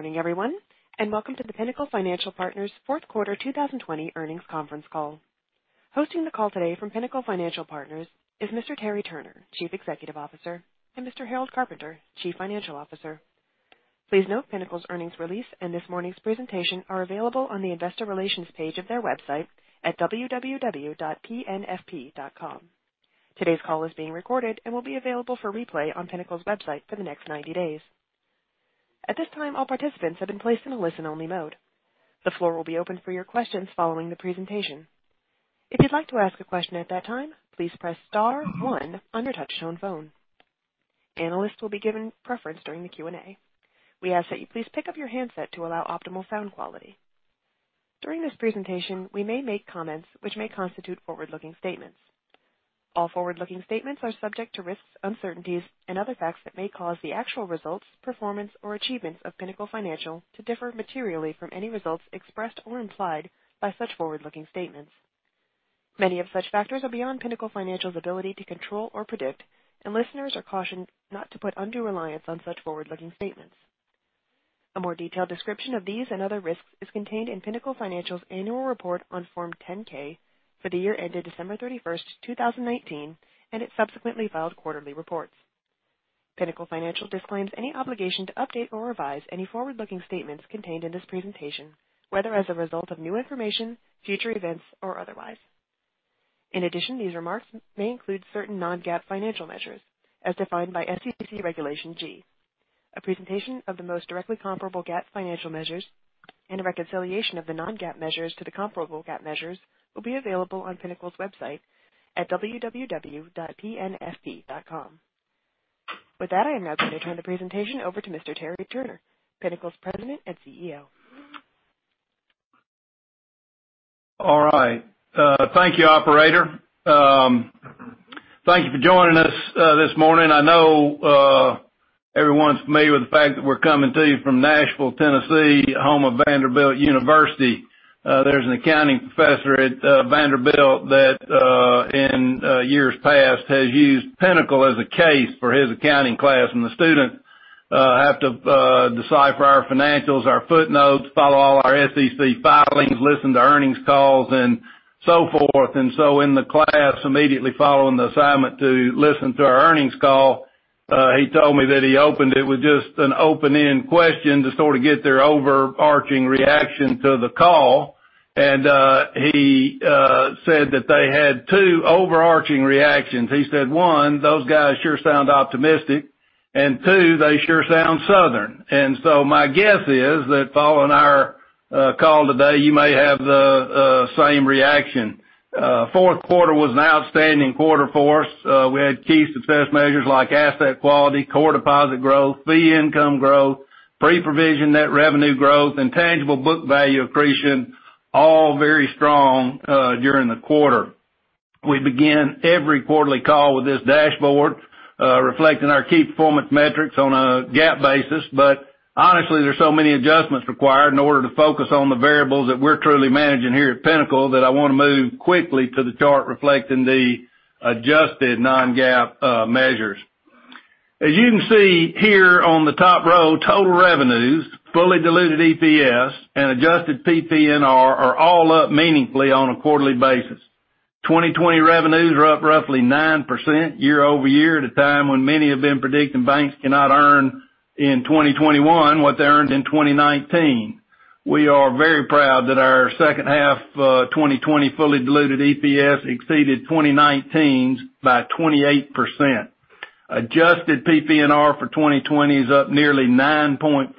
Good morning, everyone, and welcome to the Pinnacle Financial Partners fourth quarter 2020 earnings conference call. Hosting the call today from Pinnacle Financial Partners is Mr. Terry Turner, Chief Executive Officer, and Mr. Harold Carpenter, Chief Financial Officer. Please note Pinnacle's earnings release and this morning's presentation are available on the investor relations page of their website at www.pnfp.com. Today's call is being recorded and will be available for replay on Pinnacle's website for the next 90 days. During this presentation, we may make comments which may constitute forward-looking statements. All forward-looking statements are subject to risks, uncertainties, and other facts that may cause the actual results, performance, or achievements of Pinnacle Financial to differ materially from any results expressed or implied by such forward-looking statements. Many of such factors are beyond Pinnacle Financial's ability to control or predict, and listeners are cautioned not to put undue reliance on such forward-looking statements. A more detailed description of these and other risks is contained in Pinnacle Financial's annual report on Form 10-K for the year ended December 31st, 2019, and its subsequently filed quarterly reports. Pinnacle Financial disclaims any obligation to update or revise any forward-looking statements contained in this presentation, whether as a result of new information, future events, or otherwise. In addition, these remarks may include certain non-GAAP financial measures as defined by SEC Regulation G. A presentation of the most directly comparable GAAP financial measures and a reconciliation of the non-GAAP measures to the comparable GAAP measures will be available on Pinnacle's website at www.pnfp.com. With that, I am now going to turn the presentation over to Mr. Terry Turner, Pinnacle's President and CEO. All right. Thank you, operator. Thank you for joining us this morning. I know everyone's familiar with the fact that we're coming to you from Nashville, Tennessee, home of Vanderbilt University. There's an accounting professor at Vanderbilt that, in years past, has used Pinnacle as a case for his accounting class, and the students have to decipher our financials, our footnotes, follow all our SEC filings, listen to earnings calls, and so forth. In the class immediately following the assignment to listen to our earnings call, he told me that he opened it with just an open-end question to sort of get their overarching reaction to the call, and he said that they had two overarching reactions. He said, one, "Those guys sure sound optimistic," and two, "They sure sound Southern." My guess is that following our call today, you may have the same reaction. Fourth quarter was an outstanding quarter for us. We had key success measures like asset quality, core deposit growth, fee income growth, Pre-Provision Net Revenue growth, and tangible book value accretion, all very strong during the quarter. We begin every quarterly call with this dashboard, reflecting our key performance metrics on a GAAP basis. Honestly, there's so many adjustments required in order to focus on the variables that we're truly managing here at Pinnacle, that I want to move quickly to the chart reflecting the adjusted non-GAAP measures. As you can see here on the top row, total revenues, fully diluted EPS, and adjusted PPNR are all up meaningfully on a quarterly basis. 2020 revenues are up roughly 9% year-over-year at a time when many have been predicting banks cannot earn in 2021 what they earned in 2019. We are very proud that our second half 2020 fully diluted EPS exceeded 2019's by 28%. Adjusted PPNR for 2020 is up nearly 9.4%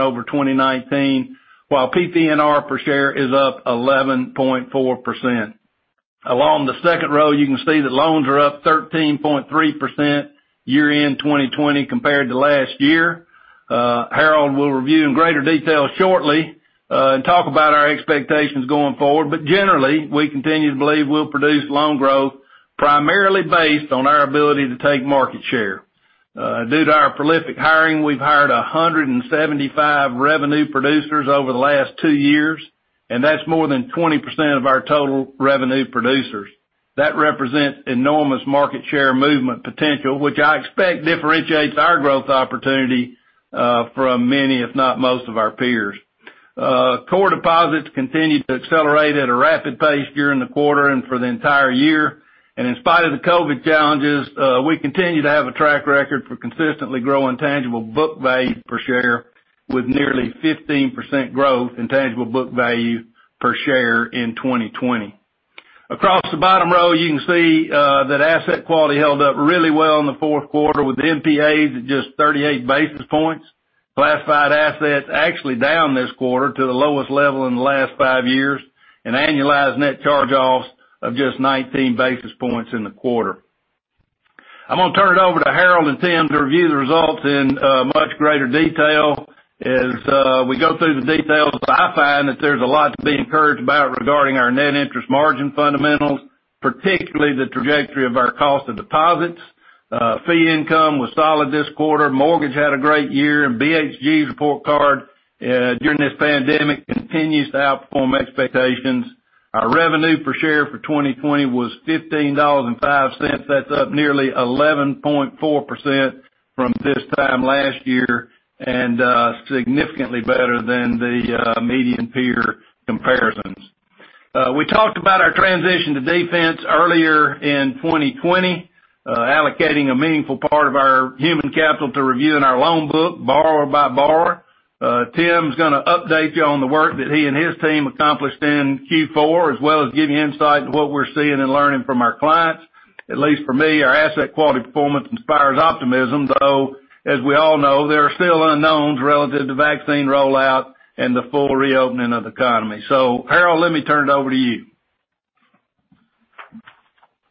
over 2019, while PPNR per share is up 11.4%. Along the second row, you can see that loans are up 13.3% year-end 2020 compared to last year. Harold will review in greater detail shortly, and talk about our expectations going forward. Generally, we continue to believe we'll produce loan growth primarily based on our ability to take market share. Due to our prolific hiring, we've hired 175 revenue producers over the last two years, and that's more than 20% of our total revenue producers. That represents enormous market share movement potential, which I expect differentiates our growth opportunity from many, if not most, of our peers. Core deposits continued to accelerate at a rapid pace during the quarter and for the entire year. In spite of the COVID challenges, we continue to have a track record for consistently growing tangible book value per share with nearly 15% growth in tangible book value per share in 2020. Across the bottom row, you can see that asset quality held up really well in the fourth quarter with NPAs at just 38 basis points. Classified assets actually down this quarter to the lowest level in the last five years, and annualized net charge-offs of just 19 basis points in the quarter. I'm going to turn it over to Harold and Tim to review the results in much greater detail. As we go through the details, I find that there's a lot to be encouraged about regarding our net interest margin fundamentals, particularly the trajectory of our cost of deposits. Fee income was solid this quarter. Mortgage had a great year, and BHG's report card during this pandemic continues to outperform expectations. Our revenue per share for 2020 was $15.05. That's up nearly 11.4% from this time last year and significantly better than the median peer comparisons. We talked about our transition to defense earlier in 2020, allocating a meaningful part of our human capital to review in our loan book, borrower by borrower. Tim's going to update you on the work that he and his team accomplished in Q4, as well as give you insight to what we're seeing and learning from our clients. At least for me, our asset quality performance inspires optimism, though, as we all know, there are still unknowns relative to vaccine rollout and the full reopening of the economy. Harold, let me turn it over to you.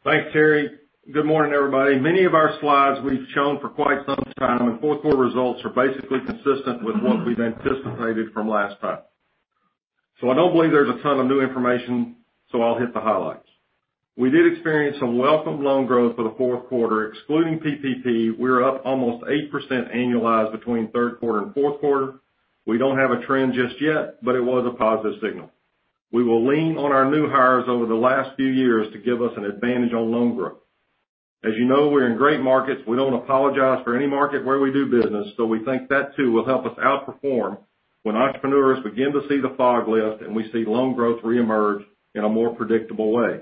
Thanks, Terry. Good morning, everybody. Many of our slides we've shown for quite some time, and fourth quarter results are basically consistent with what we've anticipated from last time. I don't believe there's a ton of new information. I'll hit the highlights. We did experience some welcome loan growth for the fourth quarter. Excluding PPP, we were up almost 8% annualized between third quarter and fourth quarter. We don't have a trend just yet, but it was a positive signal. We will lean on our new hires over the last few years to give us an advantage on loan growth. As you know, we're in great markets. We don't apologize for any market where we do business. We think that too will help us outperform when entrepreneurs begin to see the fog lift and we see loan growth reemerge in a more predictable way.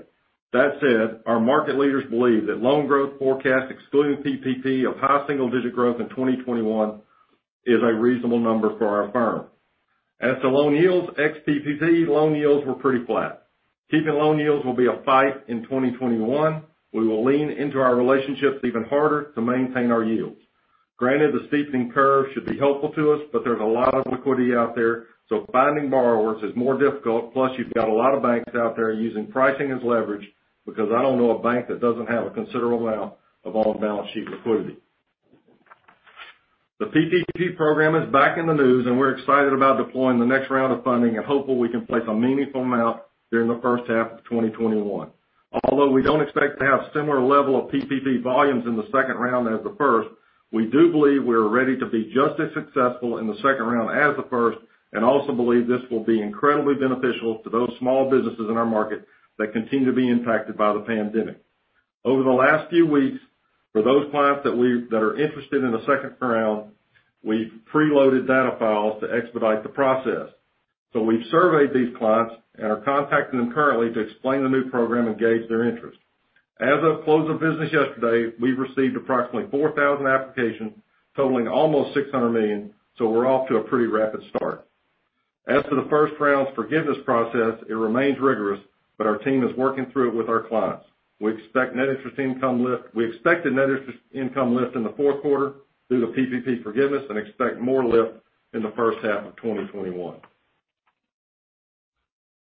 That said, our market leaders believe that loan growth forecast, excluding PPP, of high single digit growth in 2021 is a reasonable number for our firm. As to loan yields, ex-PPP loan yields were pretty flat. Keeping loan yields will be a fight in 2021. We will lean into our relationships even harder to maintain our yields. Granted, the steepening curve should be helpful to us, but there's a lot of liquidity out there, so finding borrowers is more difficult. Plus, you've got a lot of banks out there using pricing as leverage, because I don't know a bank that doesn't have a considerable amount of on-balance-sheet liquidity. The PPP program is back in the news, and we're excited about deploying the next round of funding and hopeful we can place a meaningful amount during the first half of 2021. Although we don't expect to have similar level of PPP volumes in the second round as the first, we do believe we're ready to be just as successful in the second round as the first, and also believe this will be incredibly beneficial to those small businesses in our market that continue to be impacted by the pandemic. Over the last few weeks, for those clients that are interested in the second round, we've preloaded data files to expedite the process. We've surveyed these clients and are contacting them currently to explain the new program and gauge their interest. As of close of business yesterday, we've received approximately 4,000 applications totaling almost $600 million. We're off to a pretty rapid start. As for the first round's forgiveness process, it remains rigorous. Our team is working through it with our clients. We expect a net interest income lift in the fourth quarter through the PPP forgiveness and expect more lift in the first half of 2021.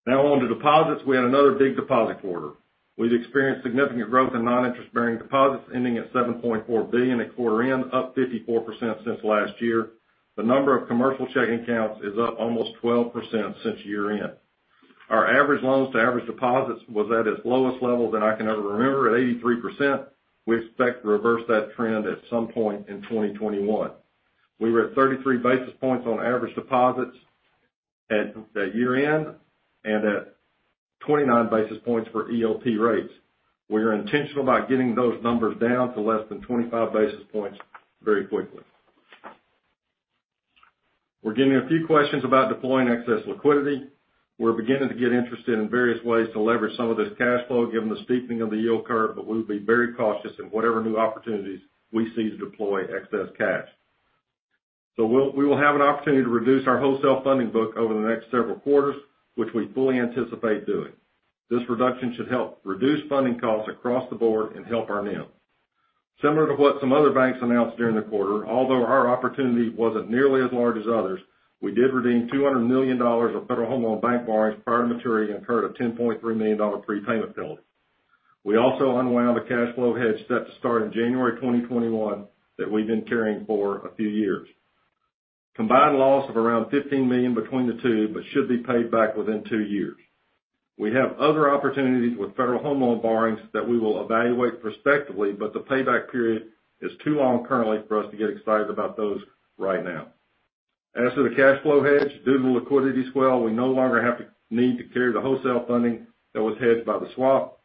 On to deposits. We had another big deposit quarter. We've experienced significant growth in non-interest bearing deposits ending at $7.4 billion at quarter end, up 54% since last year. The number of commercial checking accounts is up almost 12% since year-end. Our average loans to average deposits was at its lowest level than I can ever remember, at 83%. We expect to reverse that trend at some point in 2021. We were at 33 basis points on average deposits at year-end and at 29 basis points for EOP rates. We are intentional about getting those numbers down to less than 25 basis points very quickly. We're getting a few questions about deploying excess liquidity. We're beginning to get interested in various ways to leverage some of this cash flow, given the steepening of the yield curve, but we'll be very cautious in whatever new opportunities we see to deploy excess cash. We will have an opportunity to reduce our wholesale funding book over the next several quarters, which we fully anticipate doing. This reduction should help reduce funding costs across the board and help our NIM. Similar to what some other banks announced during the quarter, although our opportunity wasn't nearly as large as others, we did redeem $200 million of Federal Home Loan Bank borrowings prior to maturity and incurred a $10.3 million prepayment penalty. We also unwound a cash flow hedge set to start in January 2021 that we've been carrying for a few years. Combined loss of around $15 million between the two, should be paid back within two years. We have other opportunities with federal home loan borrowings that we will evaluate prospectively, the payback period is too long currently for us to get excited about those right now. As for the cash flow hedge, due to liquidity swell, we no longer have need to carry the wholesale funding that was hedged by the swap.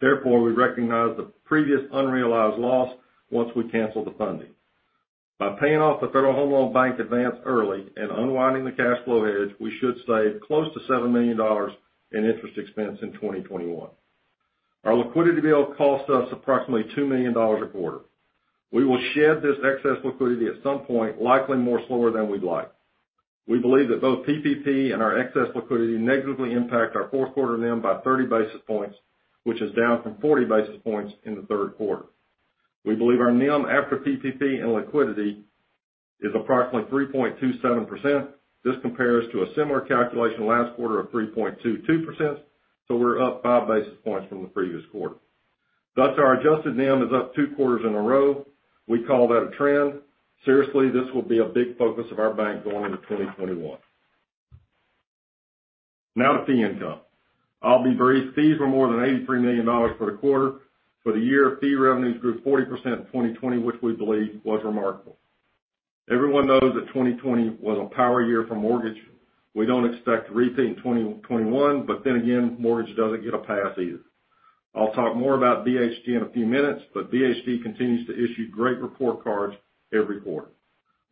Therefore, we recognized the previous unrealized loss once we canceled the funding. By paying off the Federal Home Loan Bank advance early and unwinding the cash flow hedge, we should save close to $7 million in interest expense in 2021. Our liquidity build cost us approximately $2 million a quarter. We will shed this excess liquidity at some point, likely more slower than we'd like. We believe that both PPP and our excess liquidity negatively impact our fourth quarter NIM by 30 basis points, which is down from 40 basis points in the third quarter. We believe our NIM after PPP and liquidity is approximately 3.27%. This compares to a similar calculation last quarter of 3.22%. We're up five basis points from the previous quarter. Thus, our adjusted NIM is up two quarters in a row. We call that a trend. Seriously, this will be a big focus of our bank going into 2021. Now to fee income. I'll be brief. Fees were more than $83 million for the quarter. For the year, fee revenues grew 40% in 2020, which we believe was remarkable. Everyone knows that 2020 was a power year for mortgage. We don't expect to repeat in 2021. Again, mortgage doesn't get a pass either. I'll talk more about BHG in a few minutes, but BHG continues to issue great report cards every quarter.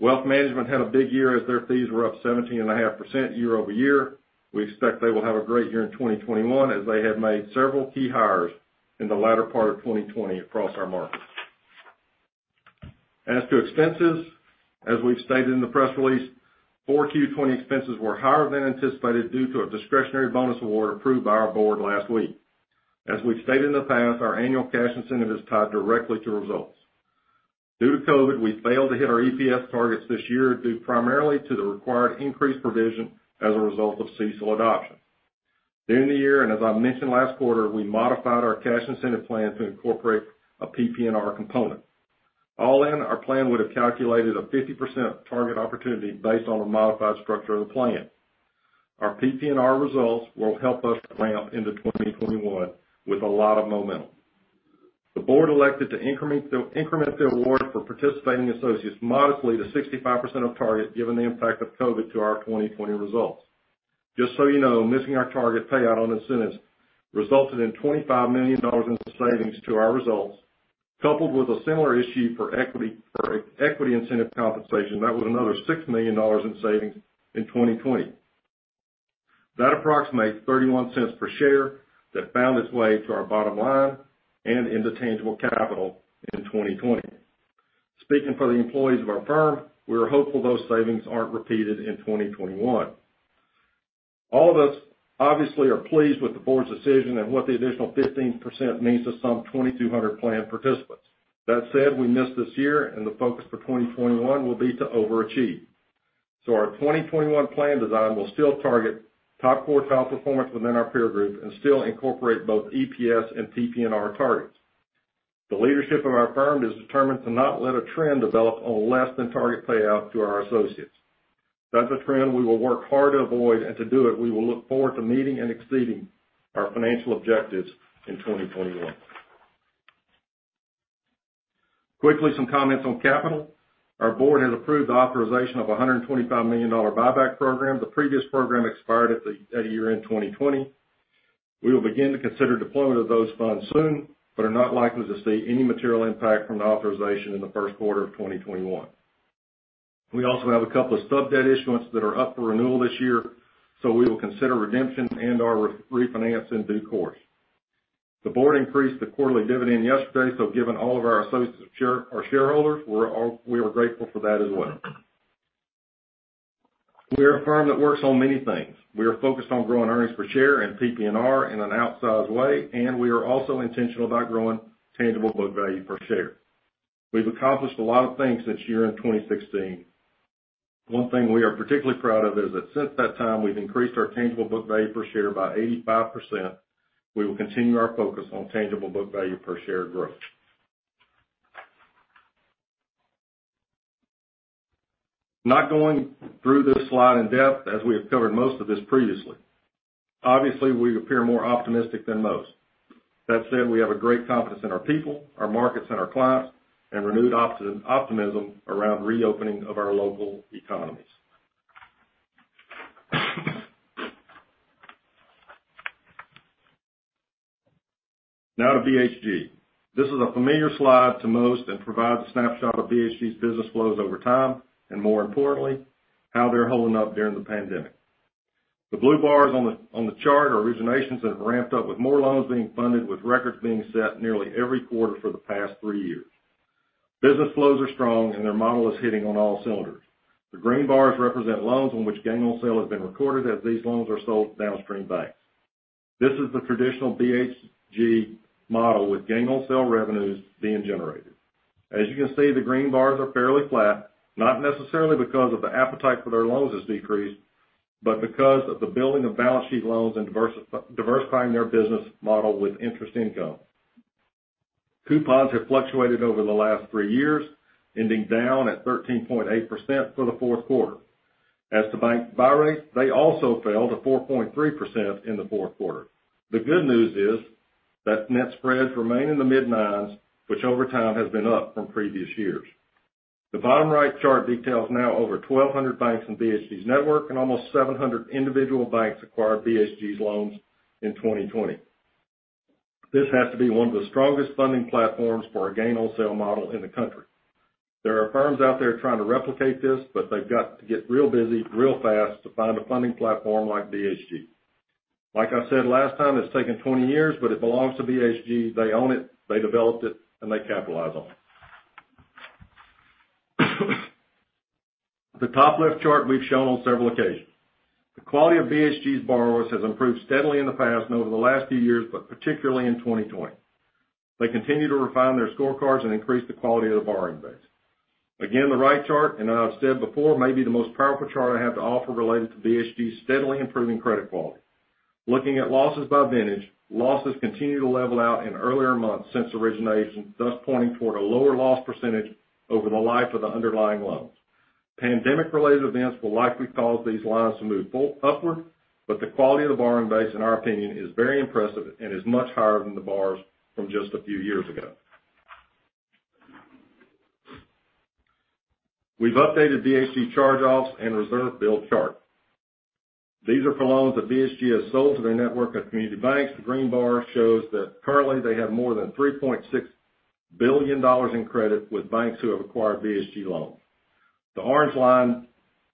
Wealth management had a big year as their fees were up 17.5% year-over-year. We expect they will have a great year in 2021 as they have made several key hires in the latter part of 2020 across our markets. As to expenses, as we've stated in the press release, 4Q20 expenses were higher than anticipated due to a discretionary bonus award approved by our board last week. As we've stated in the past, our annual cash incentive is tied directly to results. Due to COVID, we failed to hit our EPS targets this year, due primarily to the required increased provision as a result of CECL adoption. During the year, and as I mentioned last quarter, we modified our cash incentive plan to incorporate a PPNR component. All in, our plan would have calculated a 50% target opportunity based on the modified structure of the plan. Our PPNR results will help us ramp into 2021 with a lot of momentum. The board elected to increment the award for participating associates modestly to 65% of target, given the impact of COVID to our 2020 results. Just so you know, missing our target payout on incentives resulted in $25 million in savings to our results, coupled with a similar issue for equity incentive compensation. That was another $6 million in savings in 2020. That approximates $0.31 per share that found its way to our bottom line and into tangible capital in 2020. Speaking for the employees of our firm, we are hopeful those savings aren't repeated in 2021. All of us obviously are pleased with the board's decision and what the additional 15% means to some 2,200 plan participants. We missed this year, and the focus for 2021 will be to overachieve. Our 2021 plan design will still target top quartile performance within our peer group and still incorporate both EPS and PPNR targets. The leadership of our firm is determined to not let a trend develop on less than target payout to our associates. That's a trend we will work hard to avoid, and to do it, we will look forward to meeting and exceeding our financial objectives in 2021. Quickly, some comments on capital. Our board has approved the authorization of a $125 million buyback program. The previous program expired at year-end 2020. We will begin to consider deployment of those funds soon, but are not likely to see any material impact from the authorization in the first quarter of 2021. We also have a couple of sub-debt issuance that are up for renewal this year, so we will consider redemption and/or refinance in due course. The board increased the quarterly dividend yesterday, so given all of our associates are shareholders, we are grateful for that as well. We are a firm that works on many things. We are focused on growing earnings per share and PPNR in an outsized way, and we are also intentional about growing tangible book value per share. We've accomplished a lot of things since year-end 2016. One thing we are particularly proud of is that since that time, we've increased our tangible book value per share by 85%. We will continue our focus on tangible book value per share growth. Not going through this slide in depth, as we have covered most of this previously. Obviously, we appear more optimistic than most. That said, we have a great confidence in our people, our markets, and our clients, and renewed optimism around reopening of our local economies. Now to BHG. This is a familiar slide to most and provides a snapshot of BHG's business flows over time, and more importantly, how they're holding up during the pandemic. The blue bars on the chart are originations that have ramped up with more loans being funded, with records being set nearly every quarter for the past three years. Business flows are strong, and their model is hitting on all cylinders. The green bars represent loans on which gain on sale has been recorded as these loans are sold to downstream banks. This is the traditional BHG model with gain on sale revenues being generated. As you can see, the green bars are fairly flat, not necessarily because of the appetite for their loans has decreased, but because of the building of balance sheet loans and diversifying their business model with interest income. Coupons have fluctuated over the last three years, ending down at 13.8% for the fourth quarter. As to bank buy rates, they also fell to 4.3% in the fourth quarter. The good news is that net spreads remain in the mid-nines, which over time has been up from previous years. The bottom right chart details now over 1,200 banks in BHG's network, and almost 700 individual banks acquired BHG's loans in 2020. This has to be one of the strongest funding platforms for a gain on sale model in the country. There are firms out there trying to replicate this, but they've got to get real busy, real fast to find a funding platform like BHG. Like I said last time, it's taken 20 years, but it belongs to BHG. They own it, they developed it, and they capitalize on it. The top left chart we've shown on several occasions. The quality of BHG's borrowers has improved steadily in the past and over the last few years, but particularly in 2020. They continue to refine their scorecards and increase the quality of the borrowing base. Again, the right chart, and I've said before, maybe the most powerful chart I have to offer related to BHG's steadily improving credit quality. Looking at losses by vintage, losses continue to level out in earlier months since origination, thus pointing toward a lower loss percentage over the life of the underlying loans. Pandemic-related events will likely cause these lines to move upward. The quality of the borrowing base, in our opinion, is very impressive and is much higher than the bars from just a few years ago. We've updated BHG charge-offs and reserve build chart. These are for loans that BHG has sold to their network of community banks. The green bar shows that currently they have more than $3.6 billion in credit with banks who have acquired BHG loans. The orange line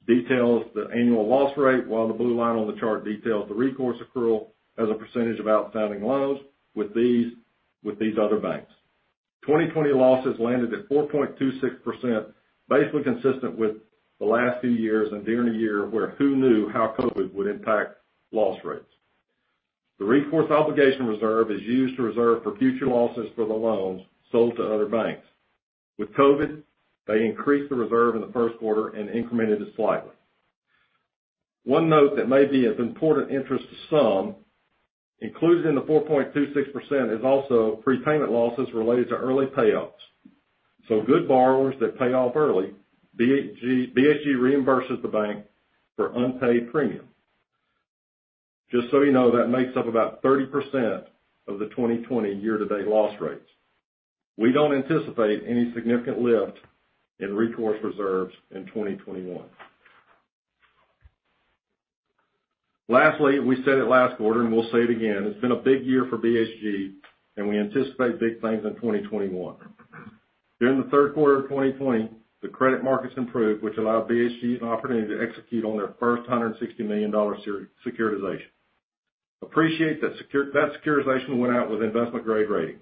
details the annual loss rate, while the blue line on the chart details the recourse accrual as a percentage of outstanding loans with these other banks. 2020 losses landed at 4.26%, basically consistent with the last few years and during a year where who knew how COVID would impact loss rates. The recourse obligation reserve is used to reserve for future losses for the loans sold to other banks. With COVID, they increased the reserve in the first quarter and incremented it slightly. One note that may be of important interest to some, included in the 4.26% is also prepayment losses related to early payoffs. Good borrowers that pay off early, BHG reimburses the bank for unpaid premium. Just so you know, that makes up about 30% of the 2020 year-to-date loss rates. We don't anticipate any significant lift in recourse reserves in 2021. Lastly, we said it last quarter and we'll say it again, it's been a big year for BHG, and we anticipate big things in 2021. During the third quarter of 2020, the credit markets improved, which allowed BHG an opportunity to execute on their first $160 million securitization. We appreciate that securitization went out with investment-grade rating.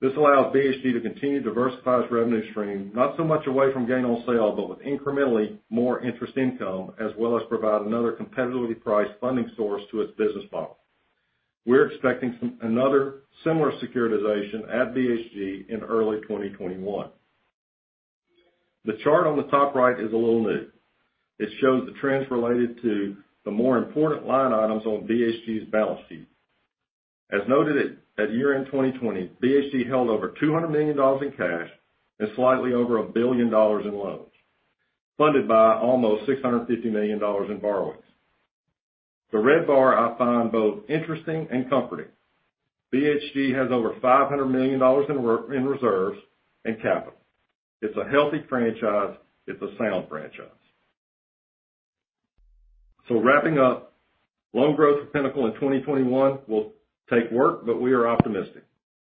This allows BHG to continue to diversify its revenue stream, not so much away from gain on sale, but with incrementally more interest income, as well as provide another competitively priced funding source to its business model. We're expecting another similar securitization at BHG in early 2021. The chart on the top right is a little new. It shows the trends related to the more important line items on BHG's balance sheet. As noted at year-end 2020, BHG held over $200 million in cash and slightly over $1 billion in loans, funded by almost $650 million in borrowings. The red bar I find both interesting and comforting. BHG has over $500 million in reserves and capital. It's a healthy franchise. It's a sound franchise. Wrapping up, loan growth for Pinnacle in 2021 will take work, but we are optimistic.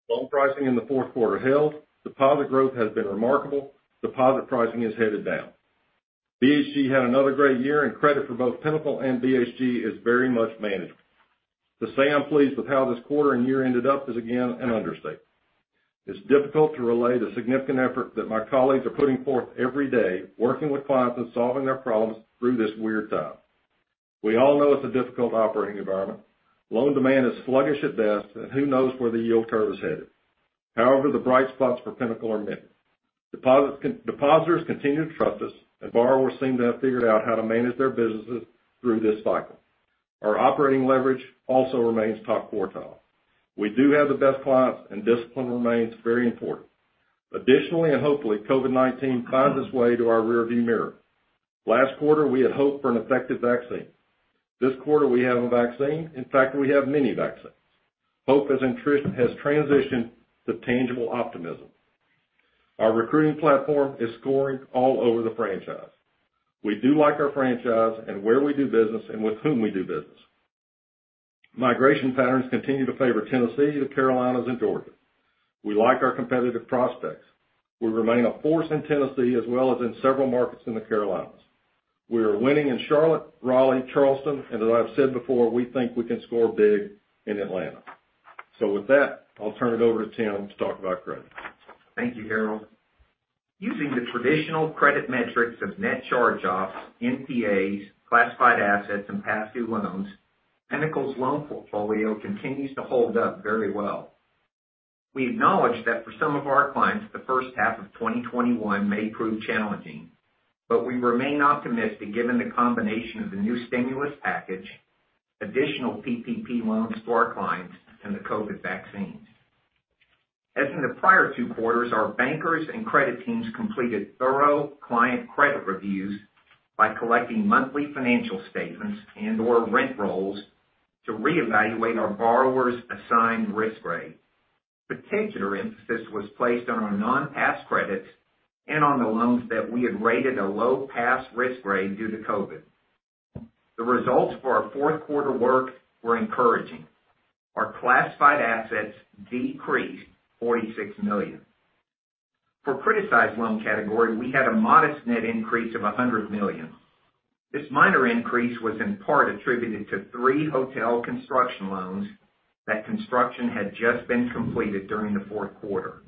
Loan pricing in the fourth quarter held. Deposit growth has been remarkable. Deposit pricing is headed down. BHG had another great year, and credit for both Pinnacle and BHG is very much manageable. To say I'm pleased with how this quarter and year ended up is, again, an understatement. It's difficult to relay the significant effort that my colleagues are putting forth every day, working with clients and solving their problems through this weird time. We all know it's a difficult operating environment. Loan demand is sluggish at best, and who knows where the yield curve is headed. However, the bright spots for Pinnacle are many. Depositors continue to trust us, and borrowers seem to have figured out how to manage their businesses through this cycle. Our operating leverage also remains top quartile. We do have the best clients, and discipline remains very important. Additionally, and hopefully, COVID-19 finds its way to our rear view mirror. Last quarter, we had hoped for an effective vaccine. This quarter, we have a vaccine. In fact, we have many vaccines. Hope has transitioned to tangible optimism. Our recruiting platform is scoring all over the franchise. We do like our franchise and where we do business and with whom we do business. Migration patterns continue to favor Tennessee, the Carolinas, and Georgia. We like our competitive prospects. We remain a force in Tennessee as well as in several markets in the Carolinas. We are winning in Charlotte, Raleigh, Charleston, and as I've said before, we think we can score big in Atlanta. With that, I'll turn it over to Tim to talk about credit. Thank you, Harold. Using the traditional credit metrics of net charge-offs, NPAs, classified assets, and past due loans, Pinnacle's loan portfolio continues to hold up very well. We acknowledge that for some of our clients, the first half of 2021 may prove challenging, but we remain optimistic given the combination of the new stimulus package, additional PPP loans to our clients, and the COVID vaccines. As in the prior two quarters, our bankers and credit teams completed thorough client credit reviews by collecting monthly financial statements and/or rent rolls to reevaluate our borrowers' assigned risk grade. Particular emphasis was placed on our non-pass credits and on the loans that we had rated a low pass risk grade due to COVID. The results for our fourth quarter work were encouraging. Our classified assets decreased $46 million. For criticized loan category, we had a modest net increase of $100 million. This minor increase was in part attributed to three hotel construction loans that construction had just been completed during the fourth quarter.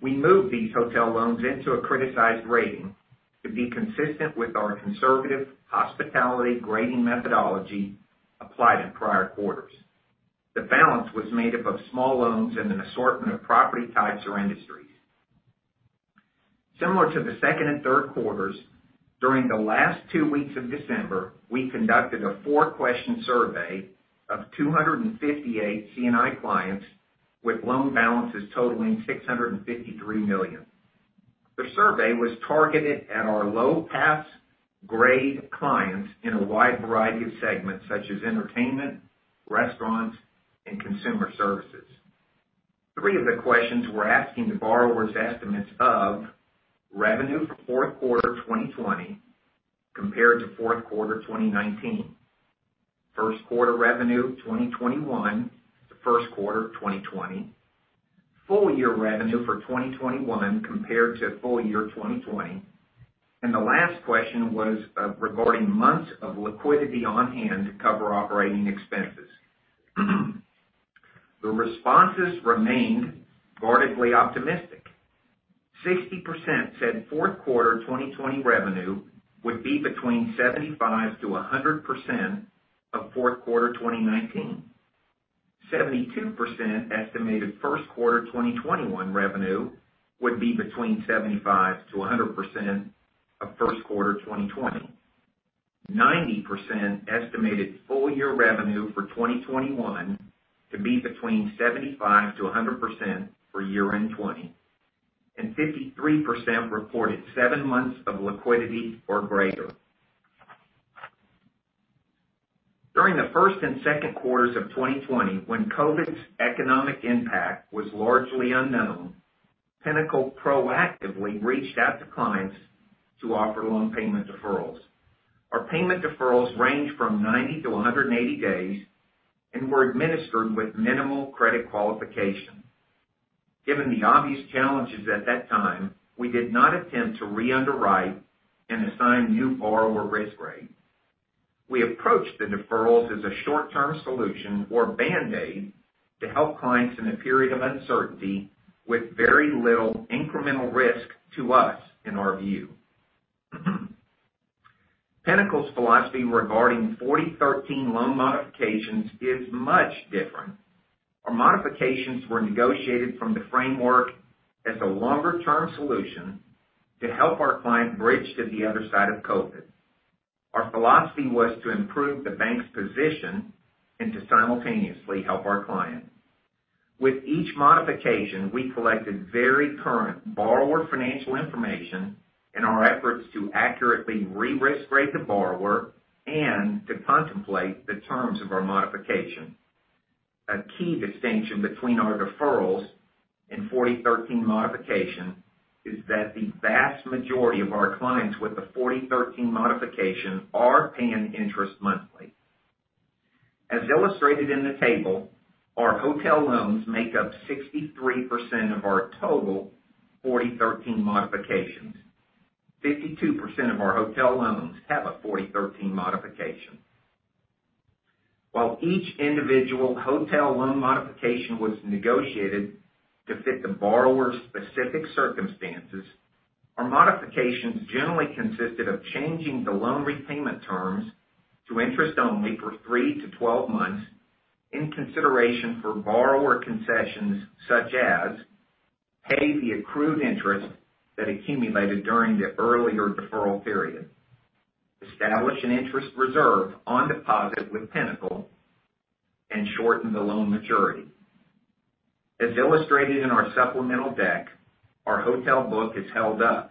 We moved these hotel loans into a criticized rating to be consistent with our conservative hospitality grading methodology applied in prior quarters. The balance was made up of small loans in an assortment of property types or industries. Similar to the second and third quarters, during the last two weeks of December, we conducted a four-question survey of 258 C&I clients with loan balances totaling $653 million. The survey was targeted at our low pass grade clients in a wide variety of segments such as entertainment, restaurants, and consumer services. Three of the questions were asking the borrowers estimates of revenue for fourth quarter 2020 compared to fourth quarter 2019, first quarter revenue 2021 to first quarter 2020, full year revenue for 2021 compared to full year 2020. The last question was regarding months of liquidity on hand to cover operating expenses. The responses remained guardedly optimistic. 60% said fourth quarter 2020 revenue would be between 75%-100% of fourth quarter 2019. 72% estimated first quarter 2021 revenue would be between 75%-100% of first quarter 2020. 90% estimated full year revenue for 2021 to be between 75%-100% for year-end 2020. 53% reported seven months of liquidity or greater. During the first and second quarters of 2020, when COVID's economic impact was largely unknown, Pinnacle proactively reached out to clients to offer loan payment deferrals. Our payment deferrals range from 90-180 days and were administered with minimal credit qualification. Given the obvious challenges at that time, we did not attempt to re-underwrite and assign new borrower risk grade. We approached the deferrals as a short-term solution or band-aid to help clients in a period of uncertainty with very little incremental risk to us, in our view. Pinnacle's philosophy regarding 4013 loan modifications is much different. Our modifications were negotiated from the framework as a longer-term solution to help our client bridge to the other side of COVID. Our philosophy was to improve the bank's position and to simultaneously help our client. With each modification, we collected very current borrower financial information in our efforts to accurately re-risk rate the borrower and to contemplate the terms of our modification. A key distinction between our deferrals and 4013 modification is that the vast majority of our clients with the 4013 modification are paying interest monthly. As illustrated in the table, our hotel loans make up 63% of our total 4013 modifications. 52% of our hotel loans have a 4013 modification. While each individual hotel loan modification was negotiated to fit the borrower's specific circumstances, our modifications generally consisted of changing the loan repayment terms to interest only for three to 12 months in consideration for borrower concessions such as pay the accrued interest that accumulated during the earlier deferral period, establish an interest reserve on deposit with Pinnacle, and shorten the loan maturity. As illustrated in our supplemental deck, our hotel book has held up.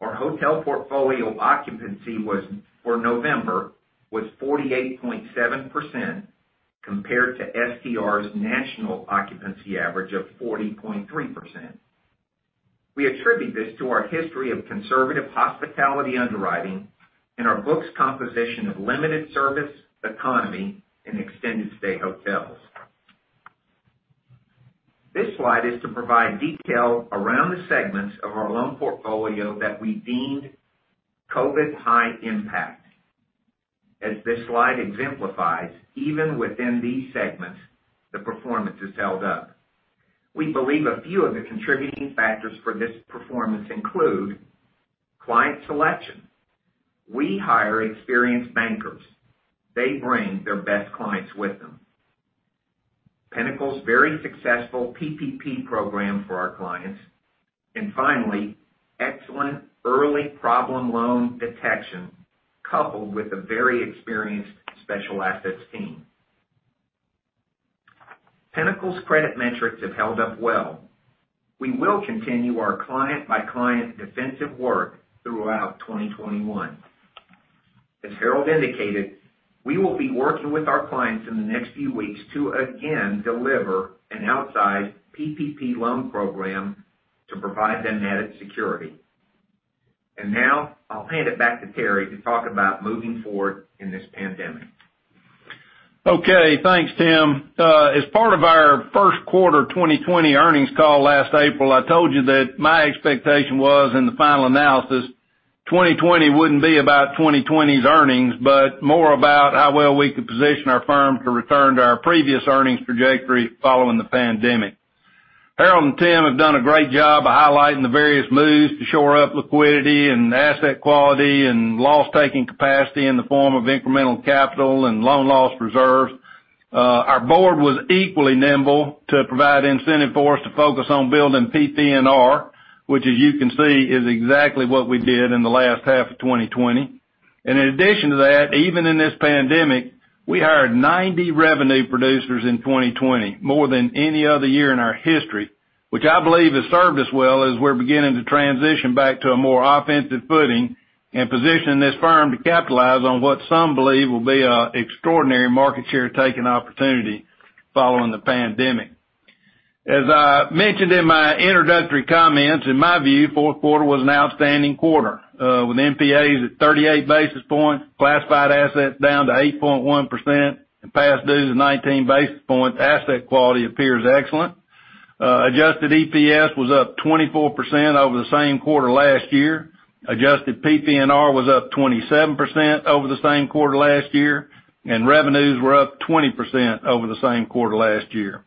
Our hotel portfolio occupancy for November was 48.7%, compared to STR's national occupancy average of 40.3%. We attribute this to our history of conservative hospitality underwriting and our books composition of limited service, economy, and extended stay hotels. This slide is to provide detail around the segments of our loan portfolio that we deemed COVID high impact. As this slide exemplifies, even within these segments, the performance has held up. We believe a few of the contributing factors for this performance include client selection. We hire experienced bankers. They bring their best clients with them. Pinnacle's very successful PPP program for our clients, and finally, excellent early problem loan detection, coupled with a very experienced special assets team. Pinnacle's credit metrics have held up well. We will continue our client-by-client defensive work throughout 2021. As Harold indicated, we will be working with our clients in the next few weeks to again deliver an outsized PPP loan program to provide them added security. Now I'll hand it back to Terry to talk about moving forward in this pandemic. Okay. Thanks, Tim. As part of our first quarter 2020 earnings call last April, I told you that my expectation was, in the final analysis, 2020 wouldn't be about 2020's earnings, but more about how well we could position our firm to return to our previous earnings trajectory following the pandemic. Harold and Tim have done a great job of highlighting the various moves to shore up liquidity and asset quality and loss-taking capacity in the form of incremental capital and loan loss reserves. Our board was equally nimble to provide incentive for us to focus on building PPNR, which, as you can see, is exactly what we did in the last half of 2020. In addition to that, even in this pandemic, we hired 90 revenue producers in 2020, more than any other year in our history, which I believe has served us well as we're beginning to transition back to a more offensive footing and positioning this firm to capitalize on what some believe will be an extraordinary market share taking opportunity following the pandemic. As I mentioned in my introductory comments, in my view, fourth quarter was an outstanding quarter. With NPAs at 38 basis points, classified assets down to 8.1%, and past due to 19 basis points, asset quality appears excellent. Adjusted EPS was up 24% over the same quarter last year. Adjusted PPNR was up 27% over the same quarter last year. Revenues were up 20% over the same quarter last year.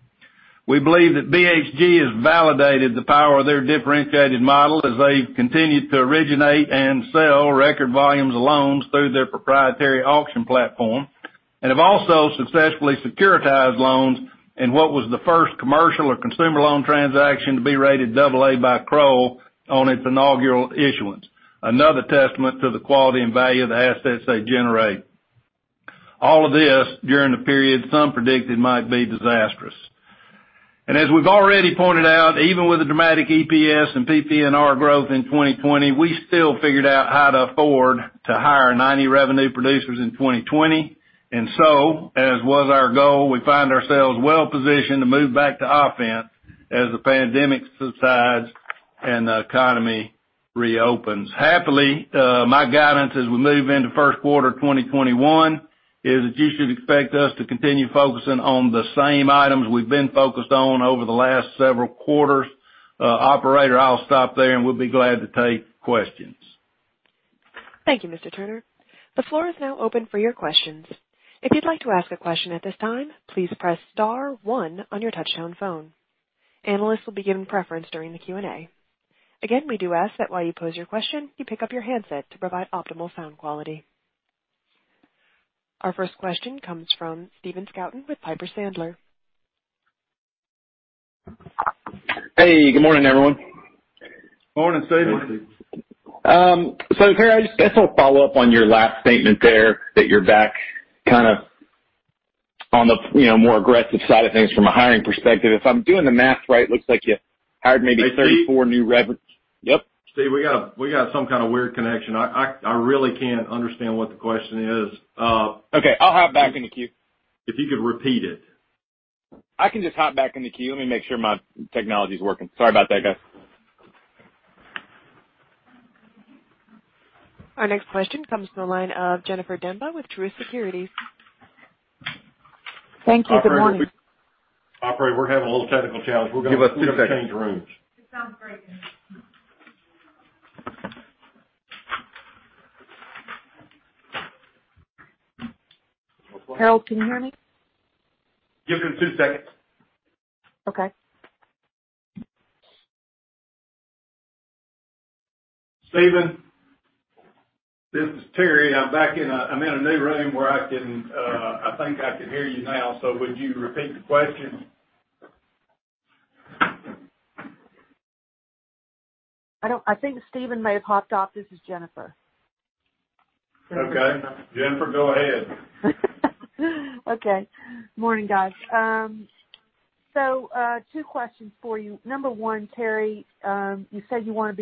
We believe that BHG has validated the power of their differentiated model as they've continued to originate and sell record volumes of loans through their proprietary auction platform, and have also successfully securitized loans in what was the first commercial or consumer loan transaction to be rated AA by Kroll on its inaugural issuance. Another testament to the quality and value of the assets they generate. All of this during the period some predicted might be disastrous. As we've already pointed out, even with the dramatic EPS and PPNR growth in 2020, we still figured out how to afford to hire 90 revenue producers in 2020. As was our goal, we find ourselves well-positioned to move back to offense as the pandemic subsides and the economy reopens. Happily, my guidance as we move into first quarter 2021 is that you should expect us to continue focusing on the same items we've been focused on over the last several quarters. Operator, I'll stop there and we'll be glad to take questions. Thank you, Mr. Turner. The floor is now open for your questions. Analysts will be given preference during the Q&A. Again, we do ask that while you pose your question, you pick up your handset to provide optimal sound quality. Our first question comes from Stephen Scouten with Piper Sandler. Hey, good morning, everyone. Morning, Stephen. Terry, I guess I'll follow up on your last statement there, that you're back kind of on the more aggressive side of things from a hiring perspective. If I'm doing the math right, looks like you hired maybe 34 new. Hey, Stephen. Yep. Stephen, we got some kind of weird connection. I really can't understand what the question is. Okay, I'll hop back in the queue. If you could repeat it. I can just hop back in the queue. Let me make sure my technology's working. Sorry about that, guys. Our next question comes from the line of Jennifer Demba with Truist Securities. Thank you. Good morning. Operator, we're having a little technical challenge. We're going to change rooms. It sounds great. Hello, can you hear me? Give it two seconds. Okay. Stephen, this is Terry. I'm in a new room where I think I can hear you now, so would you repeat the question? I think Stephen may have hopped off. This is Jennifer. Okay. Jennifer, go ahead. Okay. Morning, guys. Two questions for you. Number 1, Terry, you said you want to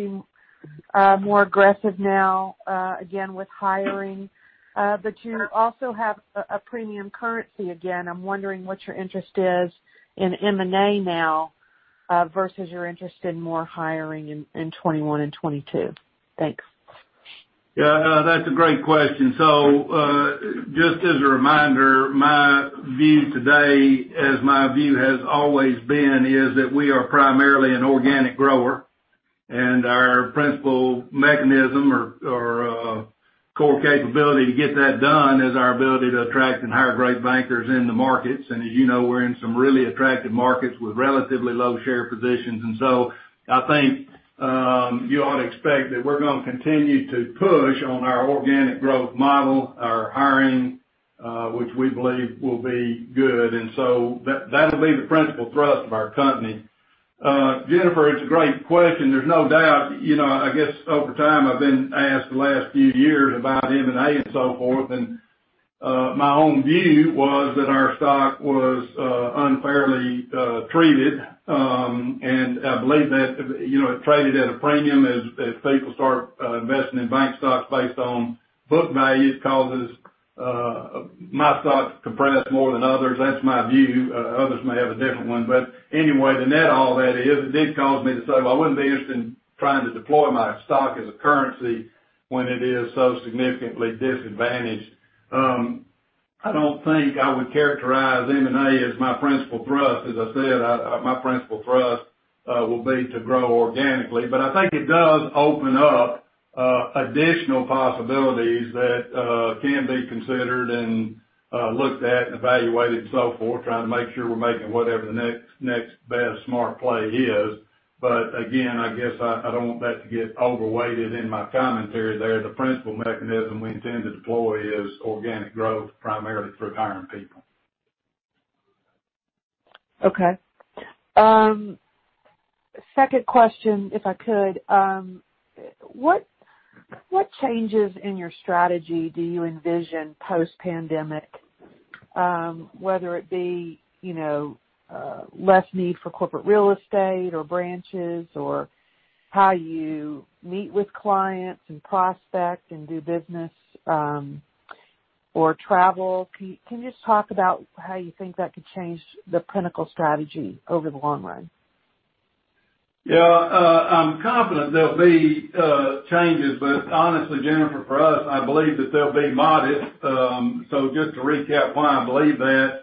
be more aggressive now, again with hiring, but you also have a premium currency again. I'm wondering what your interest is in M&A now versus your interest in more hiring in 2021 and 2022. Thanks. Yeah, that's a great question. Just as a reminder, my view today, as my view has always been, is that we are primarily an organic grower, and our principal mechanism or core capability to get that done is our ability to attract and hire great bankers in the markets. As you know, we're in some really attractive markets with relatively low share positions. I think you ought to expect that we're going to continue to push on our organic growth model, our hiring, which we believe will be good, and so that'll be the principal thrust of our company. Jennifer, it's a great question. There's no doubt. I guess over time, I've been asked the last few years about M&A and so forth, and my own view was that our stock was unfairly treated. I believe that it traded at a premium as people start investing in bank stocks based on book value causes my stocks to compress more than others. That's my view. Others may have a different one. Anyway, the net of all that is, it did cause me to say, well, I wouldn't be interested in trying to deploy my stock as a currency when it is so significantly disadvantaged. I don't think I would characterize M&A as my principal thrust. As I said, my principal thrust will be to grow organically. I think it does open up additional possibilities that can be considered and looked at and evaluated and so forth, trying to make sure we're making whatever the next best smart play is. Again, I guess I don't want that to get overweighted in my commentary there. The principal mechanism we intend to deploy is organic growth, primarily through hiring people. Okay. Second question, if I could. What changes in your strategy do you envision post-pandemic? Whether it be less need for corporate real estate or branches, or how you meet with clients and prospect and do business, or travel. Can you just talk about how you think that could change the Pinnacle strategy over the long run? I'm confident there'll be changes, but honestly, Jennifer, for us, I believe that they'll be modest. Just to recap why I believe that.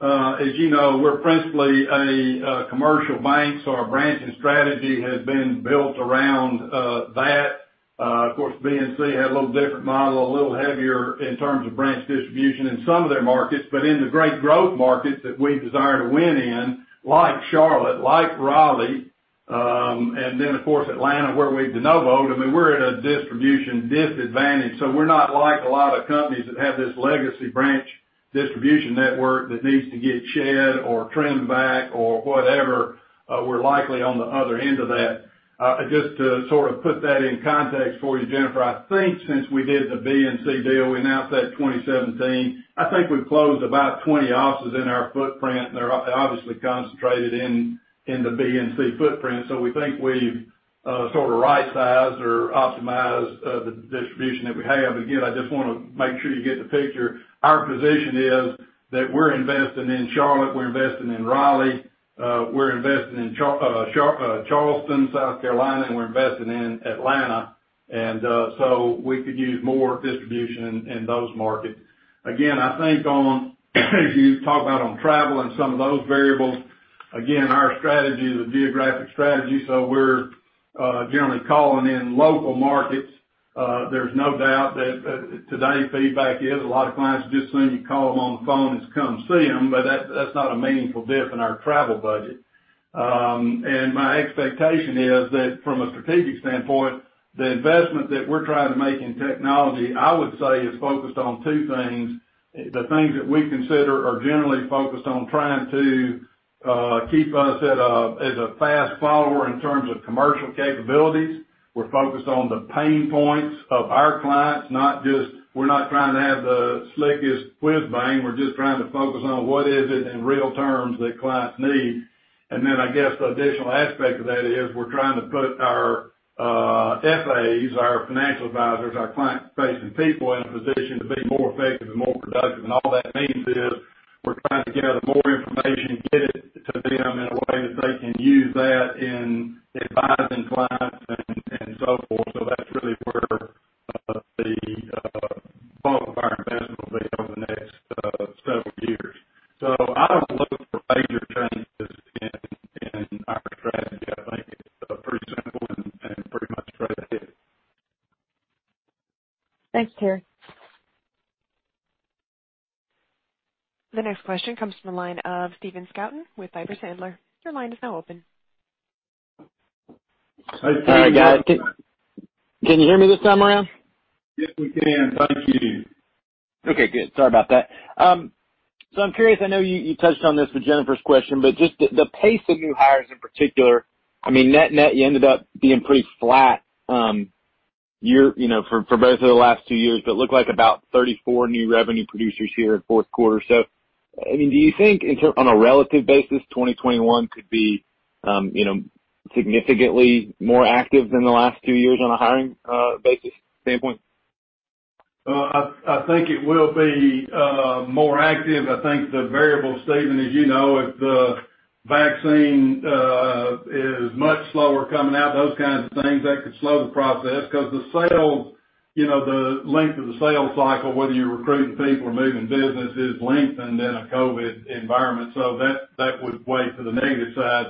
As you know, we're principally a commercial bank, our branching strategy has been built around that. Of course, BNC had a little different model, a little heavier in terms of branch distribution in some of their markets. In the great growth markets that we desire to win in, like Charlotte, like Raleigh, and then, of course, Atlanta, where we de novo'd, I mean, we're at a distribution disadvantage. We're not like a lot of companies that have this legacy branch distribution network that needs to get shed or trimmed back or whatever. We're likely on the other end of that. Just to sort of put that in context for you, Jennifer, I think since we did the BNC deal, we announced that in 2017, I think we've closed about 20 offices in our footprint, and they're obviously concentrated in the BNC footprint. We think we've sort of right-sized or optimized the distribution that we have. Again, I just want to make sure you get the picture. Our position is that we're investing in Charlotte, we're investing in Raleigh, we're investing in Charleston, South Carolina, and we're investing in Atlanta. We could use more distribution in those markets. Again, I think you talk about on travel and some of those variables. Again, our strategy is a geographic strategy, so we're generally calling in local markets. There's no doubt that today feedback is a lot of clients would just as soon you call them on the phone as come see them. That's not a meaningful diff in our travel budget. My expectation is that from a strategic standpoint, the investment that we're trying to make in technology, I would say, is focused on two things. The things that we consider are generally focused on trying to keep us as a fast follower in terms of commercial capabilities. We're focused on the pain points of our clients, we're not trying to have the slickest whiz bang. We're just trying to focus on what is it in real terms that clients need. Then I guess the additional aspect of that is we're trying to put our FAs, our financial advisors, our client-facing people in a position to be more effective and more productive. All that means is we're trying to get out more information, get it to them in a way that they can use that in advising clients and so forth. Thanks, Terry. The next question comes from the line of Stephen Scouten with Piper Sandler. Your line is now open. Hi, Stephen. All right, guys. Can you hear me this time around? Yes, we can. Thank you. Okay, good. Sorry about that. I'm curious, I know you touched on this with Jennifer's question, but just the pace of new hires in particular. I mean, net-net, you ended up being pretty flat for both of the last two years, but it looked like about 34 new revenue producers here in fourth quarter. Do you think on a relative basis, 2021 could be significantly more active than the last two years on a hiring basis standpoint? I think it will be more active. I think the variable, Stephen, as you know, if the vaccine is much slower coming out, those kinds of things, that could slow the process because the length of the sales cycle, whether you're recruiting people or moving businesses, lengthened in a COVID-19 environment. That would weigh to the negative side.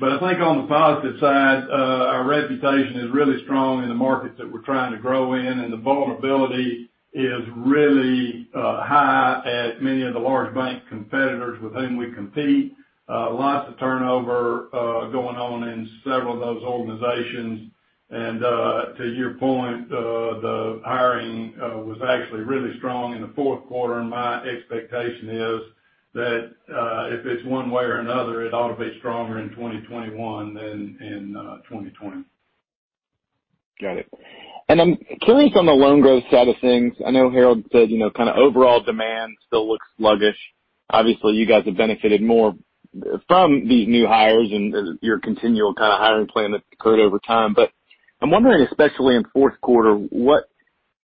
I think on the positive side, our reputation is really strong in the markets that we're trying to grow in, and the vulnerability is really high at many of the large bank competitors with whom we compete. Lots of turnover going on in several of those organizations. To your point, the hiring was actually really strong in the fourth quarter, and my expectation is that if it's one way or another, it ought to be stronger in 2021 than in 2020. Got it. I'm curious on the loan growth side of things. I know Harold said kind of overall demand still looks sluggish. Obviously, you guys have benefited more from the new hires and your continual kind of hiring plan that's occurred over time. I'm wondering, especially in fourth quarter, what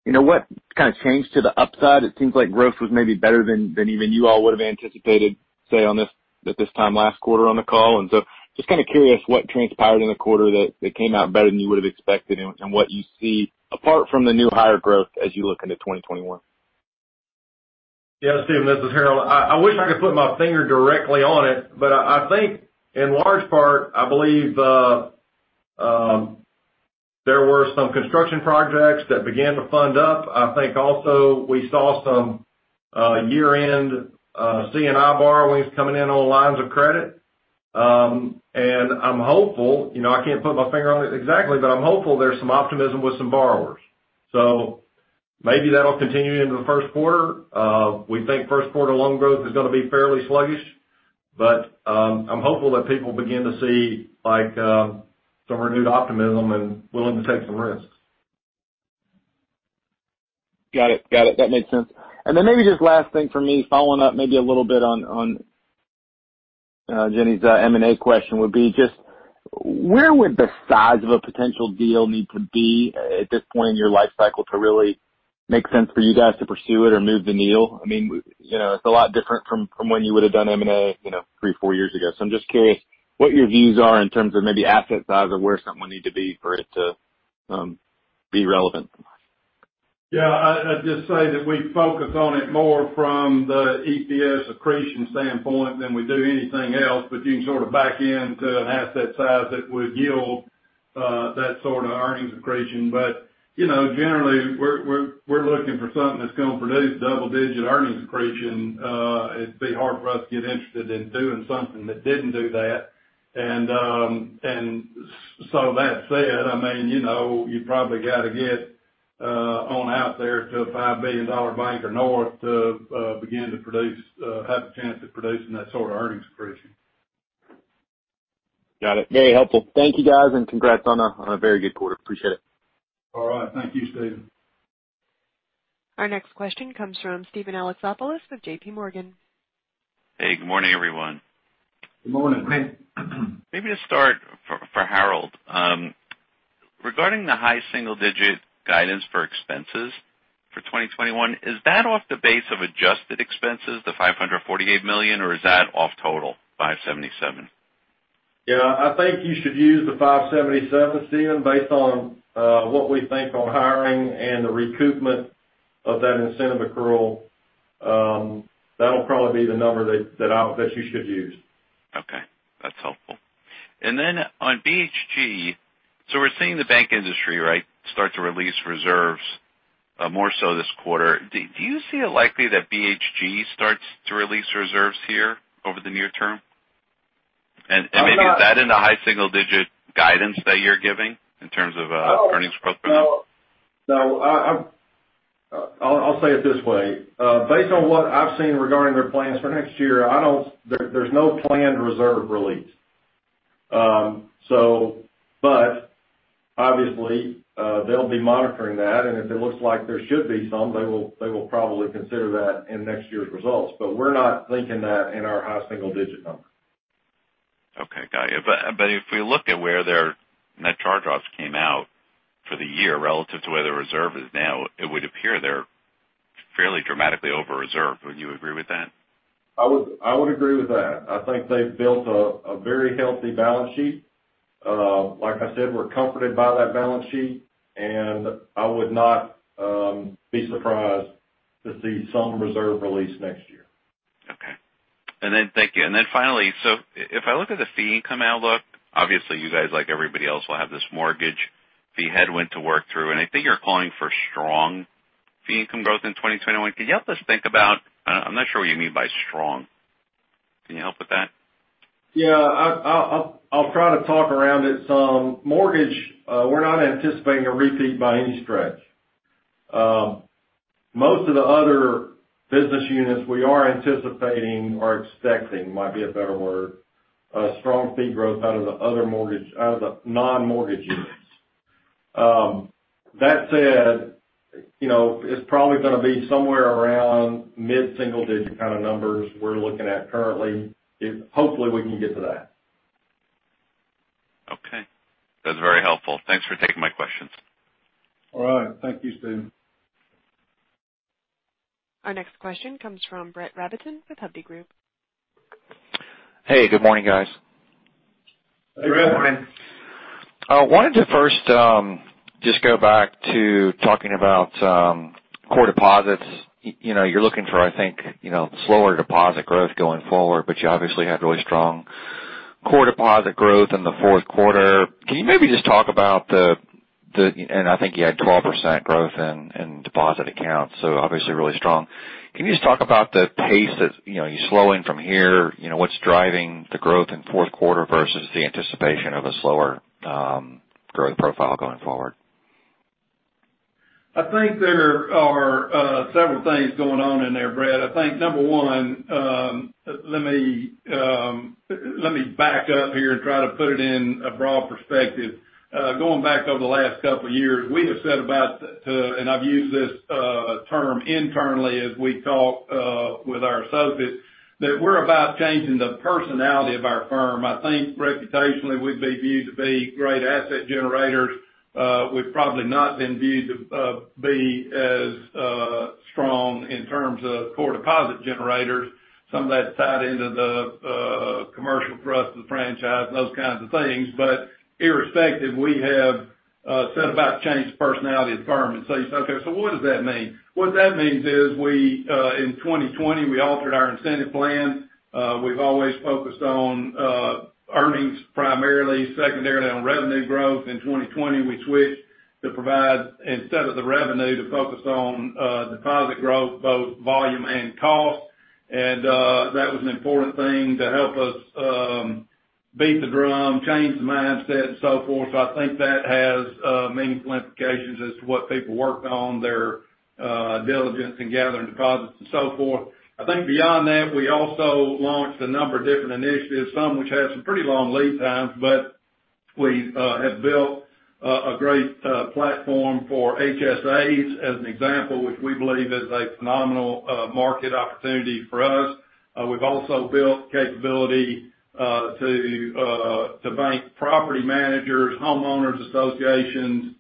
kind of change to the upside? It seems like growth was maybe better than even you all would have anticipated, say, at this time last quarter on the call. Just kind of curious what transpired in the quarter that came out better than you would have expected and what you see apart from the new hire growth as you look into 2021. Yeah, Stephen, this is Harold. I wish I could put my finger directly on it, but I think in large part, I believe there were some construction projects that began to fund up. I think also we saw some year-end C&I borrowings coming in on lines of credit. I'm hopeful, I can't put my finger on it exactly, but I'm hopeful there's some optimism with some borrowers. Maybe that'll continue into the first quarter. We think first quarter loan growth is going to be fairly sluggish, but I'm hopeful that people begin to see some renewed optimism and willing to take some risks. Got it. That makes sense. Maybe just last thing from me, following up maybe a little bit on Jenny's M&A question would be just where would the size of a potential deal need to be at this point in your life cycle to really make sense for you guys to pursue it or move the needle? It's a lot different from when you would have done M&A three, four years ago. I'm just curious what your views are in terms of maybe asset size or where something would need to be for it to be relevant. Yeah. I'd just say that we focus on it more from the EPS accretion standpoint than we do anything else, but you can sort of back into an asset size that would yield that sort of earnings accretion. Generally, we're looking for something that's going to produce double-digit earnings accretion. It'd be hard for us to get interested in doing something that didn't do that. That said, you probably got to get on out there to a $5 billion bank or north to have a chance at producing that sort of earnings accretion. Got it. Very helpful. Thank you, guys, and congrats on a very good quarter. Appreciate it. All right. Thank you, Stephen. Our next question comes from Steven Alexopoulos with JPMorgan. Hey, good morning, everyone. Good morning, Steven. Maybe to start, for Harold, regarding the high single digit guidance for expenses for 2021, is that off the base of adjusted expenses, the $548 million, or is that off total, $577 million? Yeah, I think you should use the $577, Steven. Based on what we think on hiring and the recoupment of that incentive accrual, that'll probably be the number that you should use. Okay. That's helpful. On BHG, we're seeing the bank industry, right, start to release reserves more so this quarter. Do you see it likely that BHG starts to release reserves here over the near term? Maybe- Maybe is that in the high single digit guidance that you're giving in terms of earnings growth for next year? No. I'll say it this way. Based on what I've seen regarding their plans for next year, there's no planned reserve release. Obviously, they'll be monitoring that, and if it looks like there should be some, they will probably consider that in next year's results. We're not linking that in our high single digit number. Okay. Got you. If we look at where their net charge-offs came out for the year relative to where the reserve is now, it would appear they're fairly dramatically over-reserved. Would you agree with that? I would agree with that. I think they've built a very healthy balance sheet. Like I said, we're comforted by that balance sheet, and I would not be surprised to see some reserve release next year. Okay. Thank you. Finally, if I look at the fee income outlook, obviously, you guys, like everybody else, will have this mortgage fee headwind to work through, and I think you're calling for strong fee income growth in 2021. Could you help us? I'm not sure what you mean by strong. Can you help with that? Yeah. I'll try to talk around it some. Mortgage, we're not anticipating a repeat by any stretch. Most of the other business units we are anticipating, or expecting might be a better word, strong fee growth out of the non-mortgage units. That said, it's probably going to be somewhere around mid-single digit kind of numbers we're looking at currently. Hopefully, we can get to that. Okay. That's very helpful. Thanks for taking my questions. All right. Thank you, Steven. Our next question comes from Brett Rabatin with Hovde Group. Hey, good morning, guys. Hey, Brett. Good morning. I wanted to first just go back to talking about core deposits. You're looking for, I think, slower deposit growth going forward, but you obviously had really strong core deposit growth in the fourth quarter. I think you had 12% growth in deposit accounts, so obviously really strong. Can you just talk about the pace that you're slowing from here? What's driving the growth in fourth quarter versus the anticipation of a slower growth profile going forward? I think there are several things going on in there, Brett. I think number one, let me back up here and try to put it in a broad perspective. Going back over the last couple of years, we have said about, and I've used this term internally as we talk with our associates, that we're about changing the personality of our firm. I think reputationally, we'd be viewed to be great asset generators. We've probably not been viewed to be as strong in terms of core deposit generators. Some of that's tied into the commercial thrust of the franchise and those kinds of things. Irrespective, we have set about to change the personality of the firm. You say, "Okay, so what does that mean?" What that means is in 2020, we altered our incentive plan. We've always focused on earnings primarily, secondarily on revenue growth. In 2020, we switched to provide, instead of the revenue, to focus on deposit growth, both volume and cost. That was an important thing to help us beat the drum, change the mindset, and so forth. I think that has meaningful implications as to what people work on, their diligence in gathering deposits and so forth. I think beyond that, we also launched a number of different initiatives, some which have some pretty long lead times, but we have built a great platform for HSAs, as an example, which we believe is a phenomenal market opportunity for us. We've also built capability to bank property managers, homeowners associations,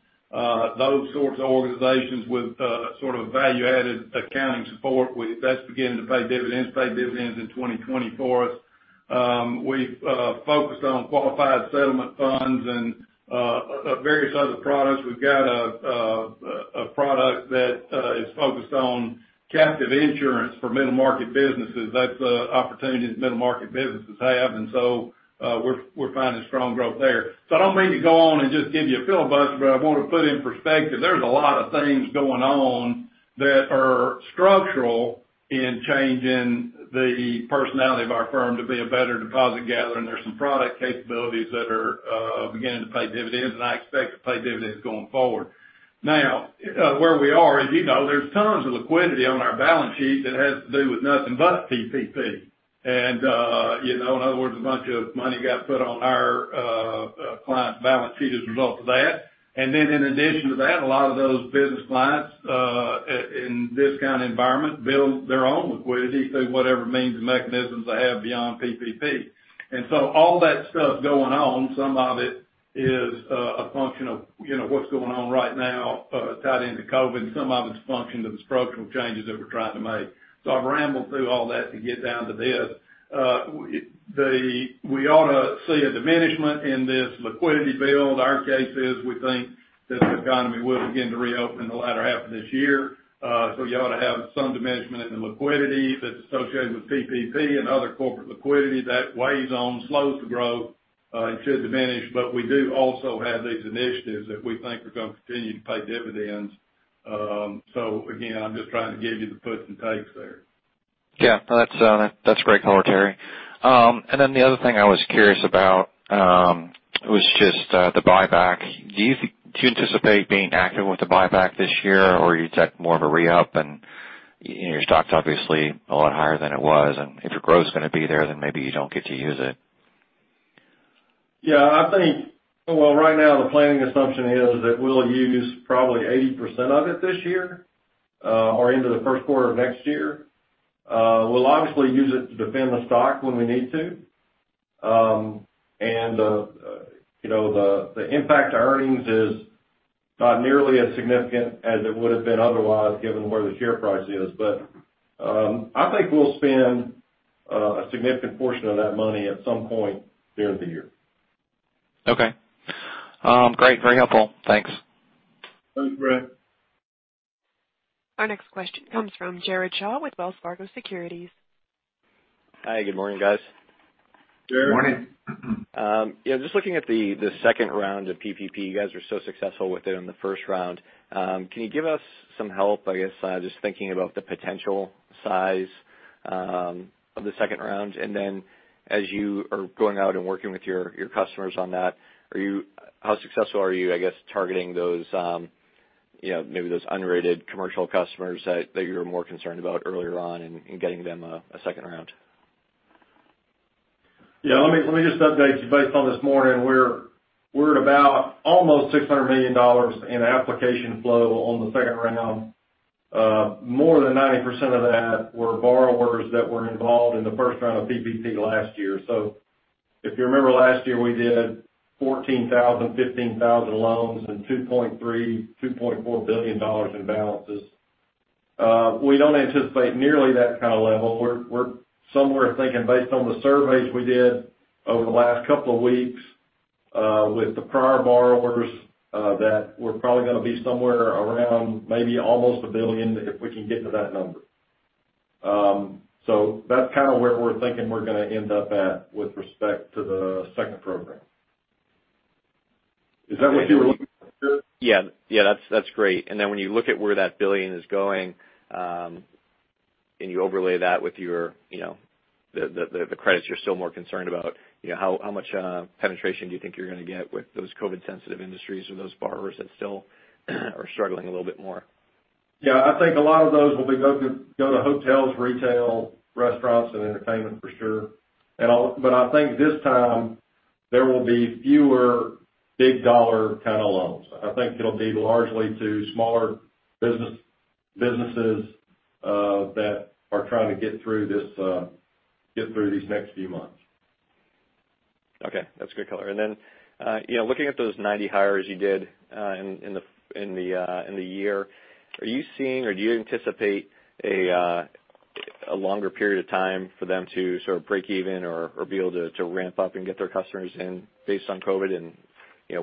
those sorts of organizations with sort of a value-added accounting support. That's beginning to pay dividends, paid dividends in 2020 for us. We've focused on qualified settlement funds and various other products. We've got a product that is focused on captive insurance for middle-market businesses. That's an opportunity that middle-market businesses have, we're finding strong growth there. I don't mean to go on and just give you a filibuster, but I want to put in perspective, there's a lot of things going on that are structural in changing the personality of our firm to be a better deposit gatherer, and there are some product capabilities that are beginning to pay dividends, and I expect to pay dividends going forward. Where we are is, there's tons of liquidity on our balance sheet that has to do with nothing but PPP. In other words, a bunch of money got put on our client balance sheet as a result of that. In addition to that, a lot of those business clients, in this kind of environment, build their own liquidity through whatever means and mechanisms they have beyond PPP. All that stuff going on, some of it is a function of what's going on right now, tied into COVID, and some of it's a function of the structural changes that we're trying to make. I've rambled through all that to get down to this. We ought to see a diminishment in this liquidity build. Our case is, we think that the economy will begin to reopen in the latter half of this year. You ought to have some diminishment in the liquidity that's associated with PPP and other corporate liquidity. That weighs on, slows the growth. It should diminish. We do also have these initiatives that we think are going to continue to pay dividends. Again, I'm just trying to give you the puts and takes there. Yeah. No, that's great color, Terry. The other thing I was curious about was just the buyback. Do you anticipate being active with the buyback this year, or are you taking more of a re-up? Your stock's obviously a lot higher than it was, and if your growth is going to be there, then maybe you don't get to use it. Yeah. Well, right now, the planning assumption is that we'll use probably 80% of it this year, or into the first quarter of next year. We'll obviously use it to defend the stock when we need to. The impact to earnings is not nearly as significant as it would have been otherwise, given where the share price is. I think we'll spend a significant portion of that money at some point during the year. Okay. Great. Very helpful. Thanks. Thanks, Brett. Our next question comes from Jared Shaw with Wells Fargo Securities. Hi. Good morning, guys. Jared. Morning. Yeah, just looking at the second round of PPP. You guys were so successful with it in the first round. Can you give us some help, I guess, just thinking about the potential size of the second round? As you are going out and working with your customers on that, how successful are you, I guess, targeting those unrated commercial customers that you were more concerned about earlier on and getting them a second round? Yeah. Let me just update you based on this morning. We're at about almost $600 million in application flow on the second round. More than 90% of that were borrowers that were involved in the first round of PPP last year. If you remember last year, we did 14,000, 15,000 loans and $2.3 billion, $2.4 billion in balances. We don't anticipate nearly that kind of level. We're somewhere thinking, based on the surveys we did over the last couple of weeks, with the prior borrowers, that we're probably going to be somewhere around maybe almost a billion, if we can get to that number. That's kind of where we're thinking we're going to end up at with respect to the second program. Is that what you were looking for, Jared? Yeah. That's great. When you look at where that billion is going, and you overlay that with the credits you're still more concerned about, how much penetration do you think you're going to get with those COVID-sensitive industries or those borrowers that still are struggling a little bit more? Yeah. I think a lot of those will go to hotels, retail, restaurants, and entertainment for sure. I think this time, there will be fewer big dollar kind of loans. I think it'll be largely to smaller businesses that are trying to get through these next few months. Okay. That's a good color. Looking at those 90 hires you did in the year, are you seeing or do you anticipate a longer period of time for them to sort of break even or be able to ramp up and get their customers in based on COVID,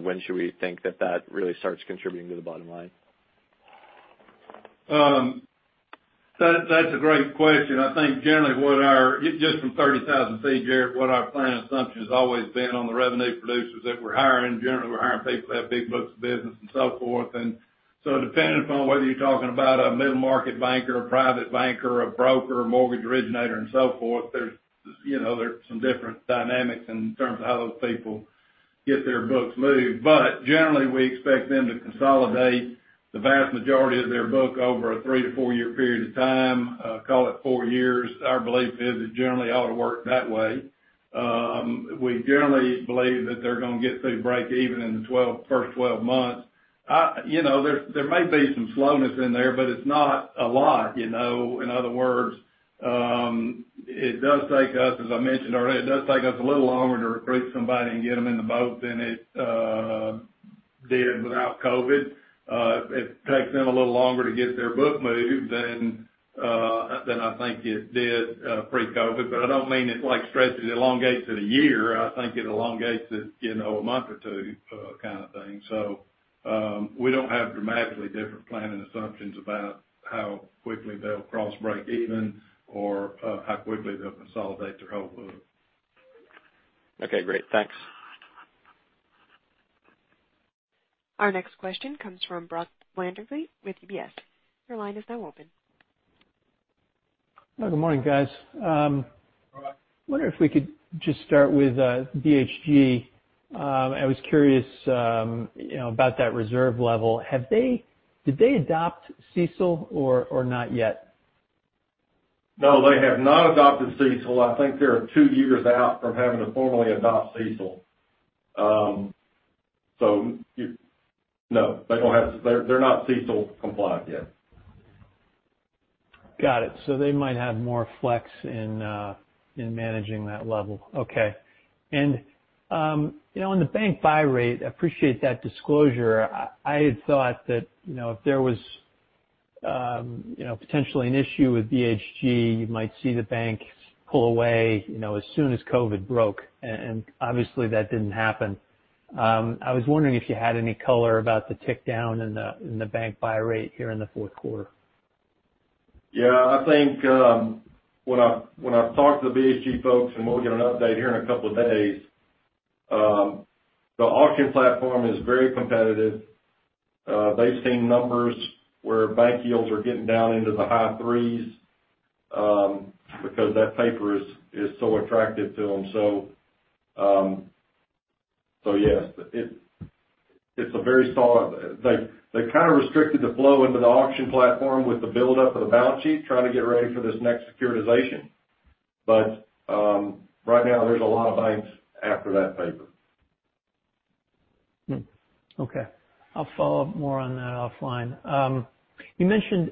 when should we think that that really starts contributing to the bottom line? That's a great question. I think generally, just from 30,000 feet, Jared, what our planning assumption has always been on the revenue producers that we're hiring, generally, we're hiring people that have big books of business and so forth. Depending upon whether you're talking about a middle-market banker, a private banker, a broker, a mortgage originator, and so forth, there's some different dynamics in terms of how those people get their books moved. Generally, we expect them to consolidate the vast majority of their book over a three to four-year period of time, call it four years. Our belief is it generally ought to work that way. We generally believe that they're going to get to breakeven in the first 12 months. There may be some slowness in there, but it's not a lot. In other words, it does take us, as I mentioned already, it does take us a little longer to recruit somebody and get them in the boat than it did without COVID-19. It takes them a little longer to get their book moved than I think it did pre-COVID-19. I don't mean it stretches, elongates it a year. I think it elongates it a month or two kind of thing. We don't have dramatically different planning assumptions about how quickly they'll cross breakeven or, how quickly they'll consolidate their whole book. Okay, great. Thanks. Our next question comes from Brock Vandervliet with UBS. Your line is now open. Good morning, guys. Brock. Wondering if we could just start with BHG. I was curious about that reserve level. Did they adopt CECL or not yet? No, they have not adopted CECL. I think they are two years out from having to formally adopt CECL. No, they're not CECL compliant yet. Got it. They might have more flex in managing that level. Okay. On the bank buy rate, appreciate that disclosure. I had thought that if there was potentially an issue with BHG, you might see the banks pull away as soon as COVID broke. Obviously, that didn't happen. I was wondering if you had any color about the tick down in the bank buy rate here in the fourth quarter. I think when I've talked to the BHG folks, and we'll get an update here in a couple of days, the auction platform is very competitive. They've seen numbers where bank yields are getting down into the high threes, because that paper is so attractive to them. Yes, they kind of restricted the flow into the auction platform with the buildup of the balance sheet, trying to get ready for this next securitization. Right now, there's a lot of banks after that paper. Okay. I'll follow up more on that offline. You mentioned,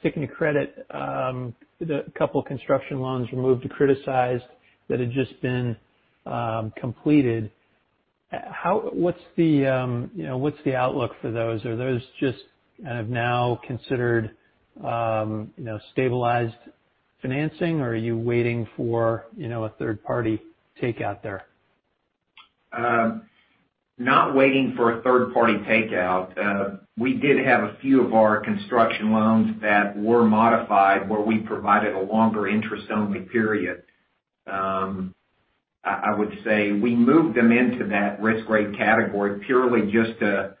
sticking to credit, the couple of construction loans removed to criticized that had just been completed. What's the outlook for those? Are those just kind of now considered stabilized financing, or are you waiting for a third party takeout there? Not waiting for a third-party takeout. We did have a few of our construction loans that were modified, where we provided a longer interest-only period. I would say we moved them into that risk grade category purely just to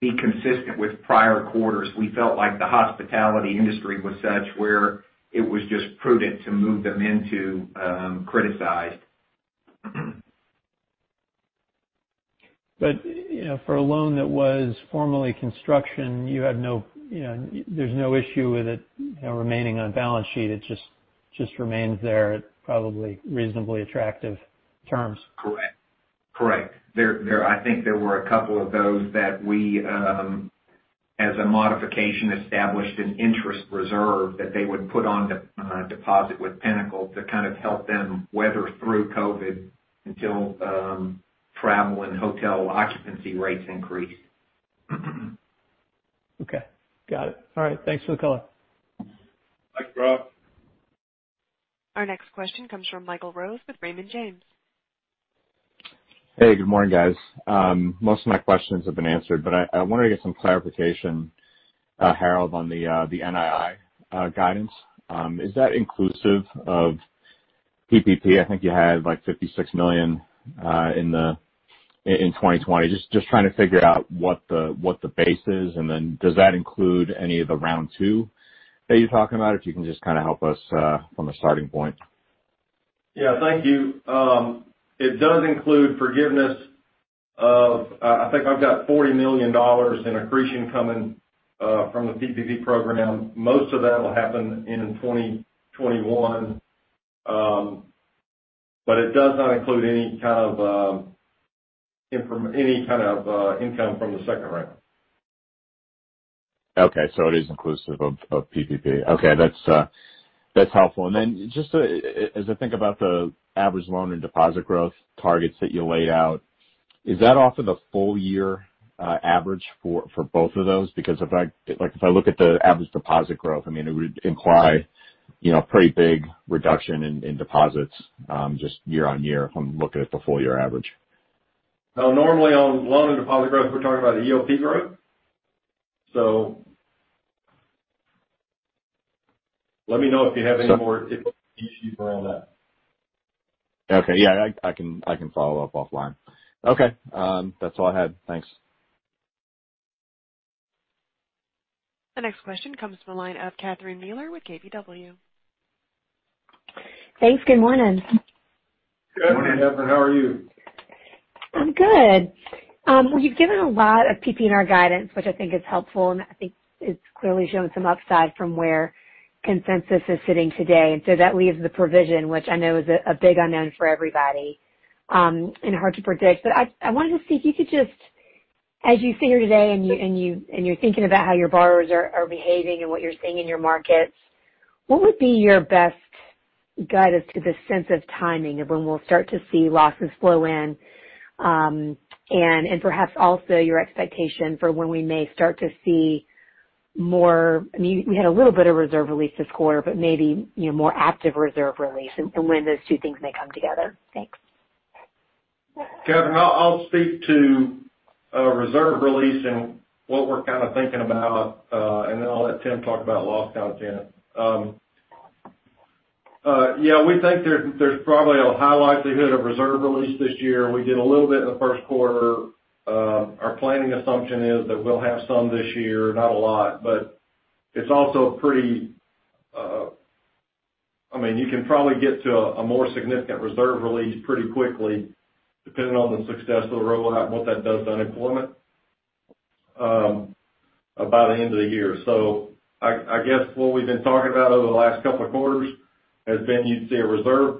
be consistent with prior quarters. We felt like the hospitality industry was such where it was just prudent to move them into criticized. For a loan that was formerly construction, there's no issue with it remaining on balance sheet. It just remains there at probably reasonably attractive terms. Correct. I think there were a couple of those that we, as a modification, established an interest reserve that they would put on deposit with Pinnacle to kind of help them weather through COVID until travel and hotel occupancy rates increased. Okay. Got it. All right. Thanks for the color. Thanks, Brock. Our next question comes from Michael Rose with Raymond James. Hey, good morning, guys. Most of my questions have been answered, but I wanted to get some clarification, Harold, on the NII guidance. Is that inclusive of PPP? I think you had like $56 million in 2020. Just trying to figure out what the base is, and then does that include any of the round two that you're talking about? If you can just kind of help us from a starting point. Yeah, thank you. It does include forgiveness of, I think I've got $40 million in accretion coming from the PPP program. Most of that will happen in 2021. It does not include any kind of income from the second round. Okay. It is inclusive of PPP. Okay, that's helpful. Just as I think about the average loan and deposit growth targets that you laid out, is that off of the full year average for both of those? If I look at the average deposit growth, it would imply a pretty big reduction in deposits just year-over-year if I'm looking at the full year average. No, normally on loan and deposit growth, we're talking about the EOP growth. Let me know if you have any more typical issues around that. Okay. Yeah, I can follow up offline. Okay. That's all I had. Thanks. The next question comes from the line of Catherine Mealor with KBW. Thanks. Good morning. Good morning, Catherine. How are you? I'm good. You've given a lot of PPNR guidance, which I think is helpful, and I think it's clearly shown some upside from where consensus is sitting today. That leaves the provision, which I know is a big unknown for everybody, and hard to predict. I wanted to see if you could just, as you sit here today and you're thinking about how your borrowers are behaving and what you're seeing in your markets, what would be your best guidance to the sense of timing of when we'll start to see losses flow in? Perhaps also your expectation for when we may start to see more, We had a little bit of reserve release this quarter, but maybe more active reserve release, and when those two things may come together. Thanks. Catherine, I'll speak to reserve release and what we're kind of thinking about, and then I'll let Tim talk about loss content. We think there's probably a high likelihood of reserve release this year. We did a little bit in the first quarter. Our planning assumption is that we'll have some this year, not a lot. You can probably get to a more significant reserve release pretty quickly, depending on the success of the rollout and what that does to unemployment, by the end of the year. I guess what we've been talking about over the last couple of quarters has been you'd see a reserve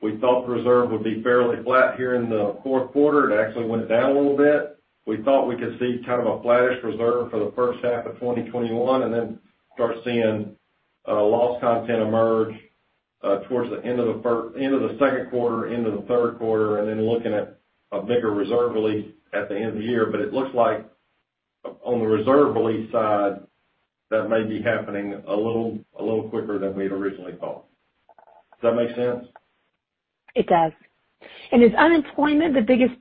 build. We thought the reserve would be fairly flat here in the fourth quarter. It actually went down a little bit. We thought we could see kind of a flattish reserve for the first half of 2021 and then start seeing loss content emerge towards the end of the second quarter into the third quarter, and then looking at a bigger reserve release at the end of the year. It looks like on the reserve release side, that may be happening a little quicker than we had originally thought. Does that make sense? It does. Is unemployment the biggest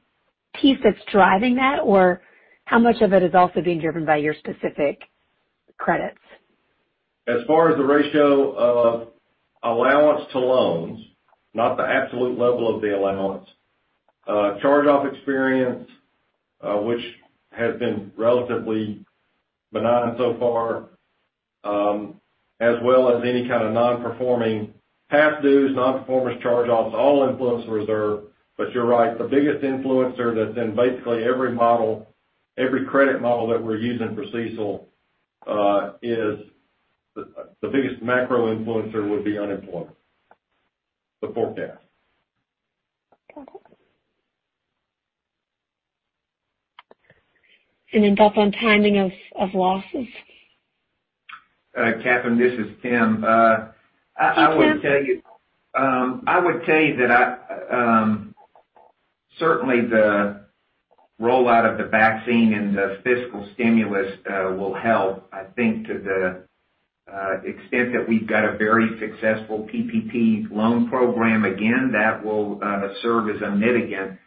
piece that's driving that, or how much of it is also being driven by your specific credits? As far as the ratio of allowance to loans, not the absolute level of the allowance, charge-off experience, which has been relatively benign so far, as well as any kind of non-performing past dues, non-performers, charge-offs, all influence the reserve. You're right, the biggest influencer that's in basically every credit model that we're using for CECL, the biggest macro influencer would be unemployment. The forecast. Got it. Thoughts on timing of losses? Catherine, this is Tim. Hey, Tim. I would tell you that certainly the rollout of the vaccine and the fiscal stimulus will help, I think, to the extent that we've got a very successful PPP loan program again, that will serve as a mitigant.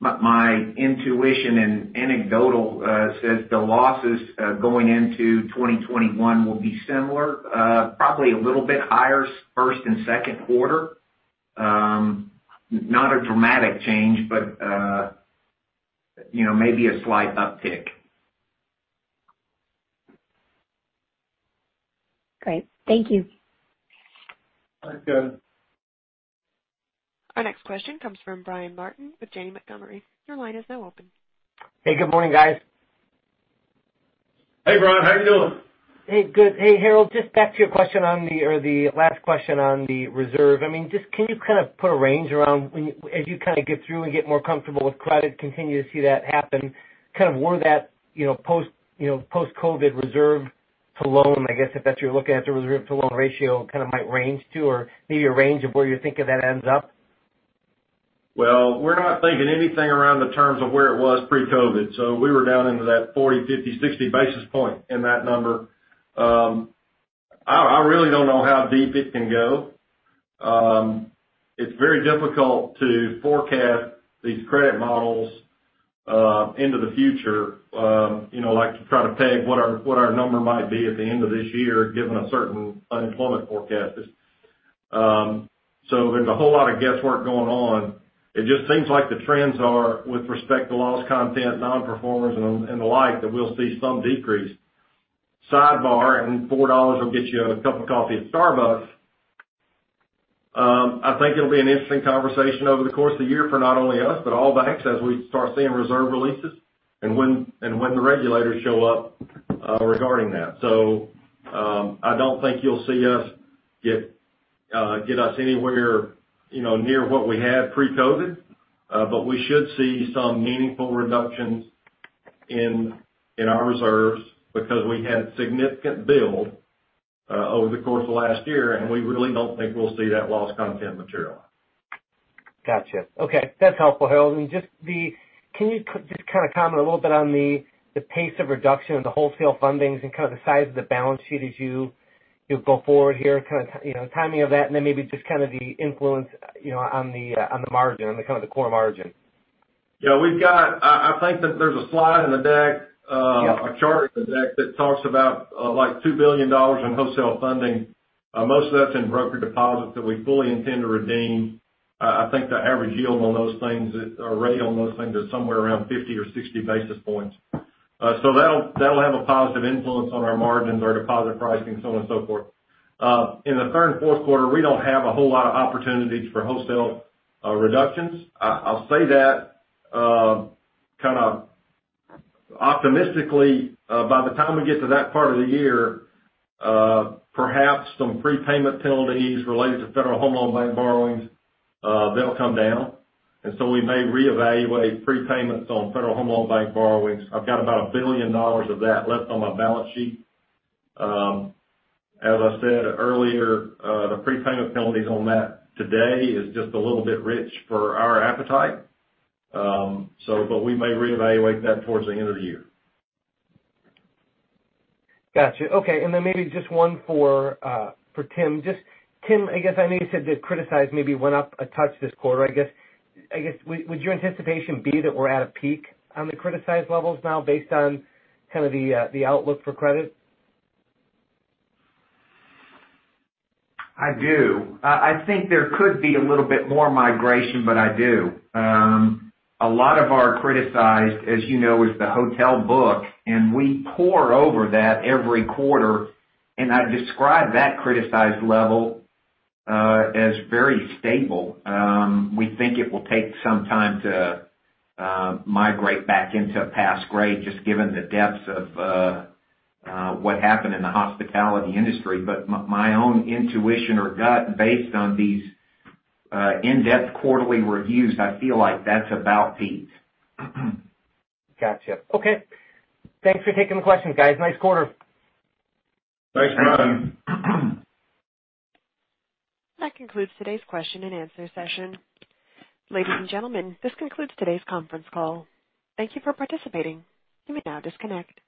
My intuition and anecdotal says the losses going into 2021 will be similar, probably a little bit higher first and second quarter. Not a dramatic change, but maybe a slight uptick. Great. Thank you. Thanks, Catherine. Our next question comes from Brian Martin with Janney Montgomery. Your line is now open. Hey, good morning, guys. Hey, Brian, how you doing? Hey, good. Hey, Harold, just back to the last question on the reserve. Can you kind of put a range around, as you kind of get through and get more comfortable with credit, continue to see that happen, kind of where that post-COVID reserve to loan, I guess, if that's what you're looking at, the reserve to loan ratio kind of might range to, or maybe a range of where you think of that ends up? We're not thinking anything around the terms of where it was pre-COVID. We were down into that 40, 50, 60 basis point in that number. I really don't know how deep it can go. It's very difficult to forecast these credit models into the future, like to try to peg what our number might be at the end of this year, given a certain unemployment forecast. There's a whole lot of guesswork going on. It just seems like the trends are, with respect to loss content, non-performers, and the like, that we'll see some decrease. Sidebar, $4 will get you a cup of coffee at Starbucks, I think it'll be an interesting conversation over the course of the year for not only us, but all banks as we start seeing reserve releases and when the regulators show up regarding that. I don't think you'll see us get anywhere near what we had pre-COVID. We should see some meaningful reductions in our reserves because we had significant build over the course of last year, and we really don't think we'll see that loss content materialize. Gotcha. Okay. That's helpful, Harold. Can you just kind of comment a little bit on the pace of reduction of the wholesale fundings and kind of the size of the balance sheet as you go forward here, kind of timing of that, and then maybe just kind of the influence on the core margin? Yeah. I think that there's a slide in the deck, a chart in the deck that talks about $2 billion in wholesale funding. Most of that's in broker deposits that we fully intend to redeem. I think the average yield on those things, or rate on those things, is somewhere around 50 or 60 basis points. That'll have a positive influence on our margins, our deposit pricing, so on and so forth. In the third and fourth quarter, we don't have a whole lot of opportunities for wholesale reductions. I'll say that kind of optimistically, by the time we get to that part of the year, perhaps some prepayment penalties related to Federal Home Loan Bank borrowings, that'll come down. We may reevaluate prepayments on Federal Home Loan Bank borrowings. I've got about $1 billion of that left on my balance sheet. As I said earlier, the prepayment penalties on that today is just a little bit rich for our appetite. We may reevaluate that towards the end of the year. Got you. Okay, maybe just one for Tim. Tim, I guess, I know you said the criticized maybe went up a touch this quarter. I guess, would your anticipation be that we're at a peak on the criticized levels now based on kind of the outlook for credit? I do. I think there could be a little bit more migration, but I do. A lot of our criticized, as you know, is the hotel book. We pore over that every quarter. I'd describe that criticized level as very stable. We think it will take some time to migrate back into pass grade, just given the depths of what happened in the hospitality industry. My own intuition or gut, based on these in-depth quarterly reviews, I feel like that's about peaked. Got you. Okay. Thanks for taking the questions, guys. Nice quarter. Thanks, Brian. That concludes today's question and answer session. Ladies and gentlemen, this concludes today's conference call. Thank you for participating. You may now disconnect.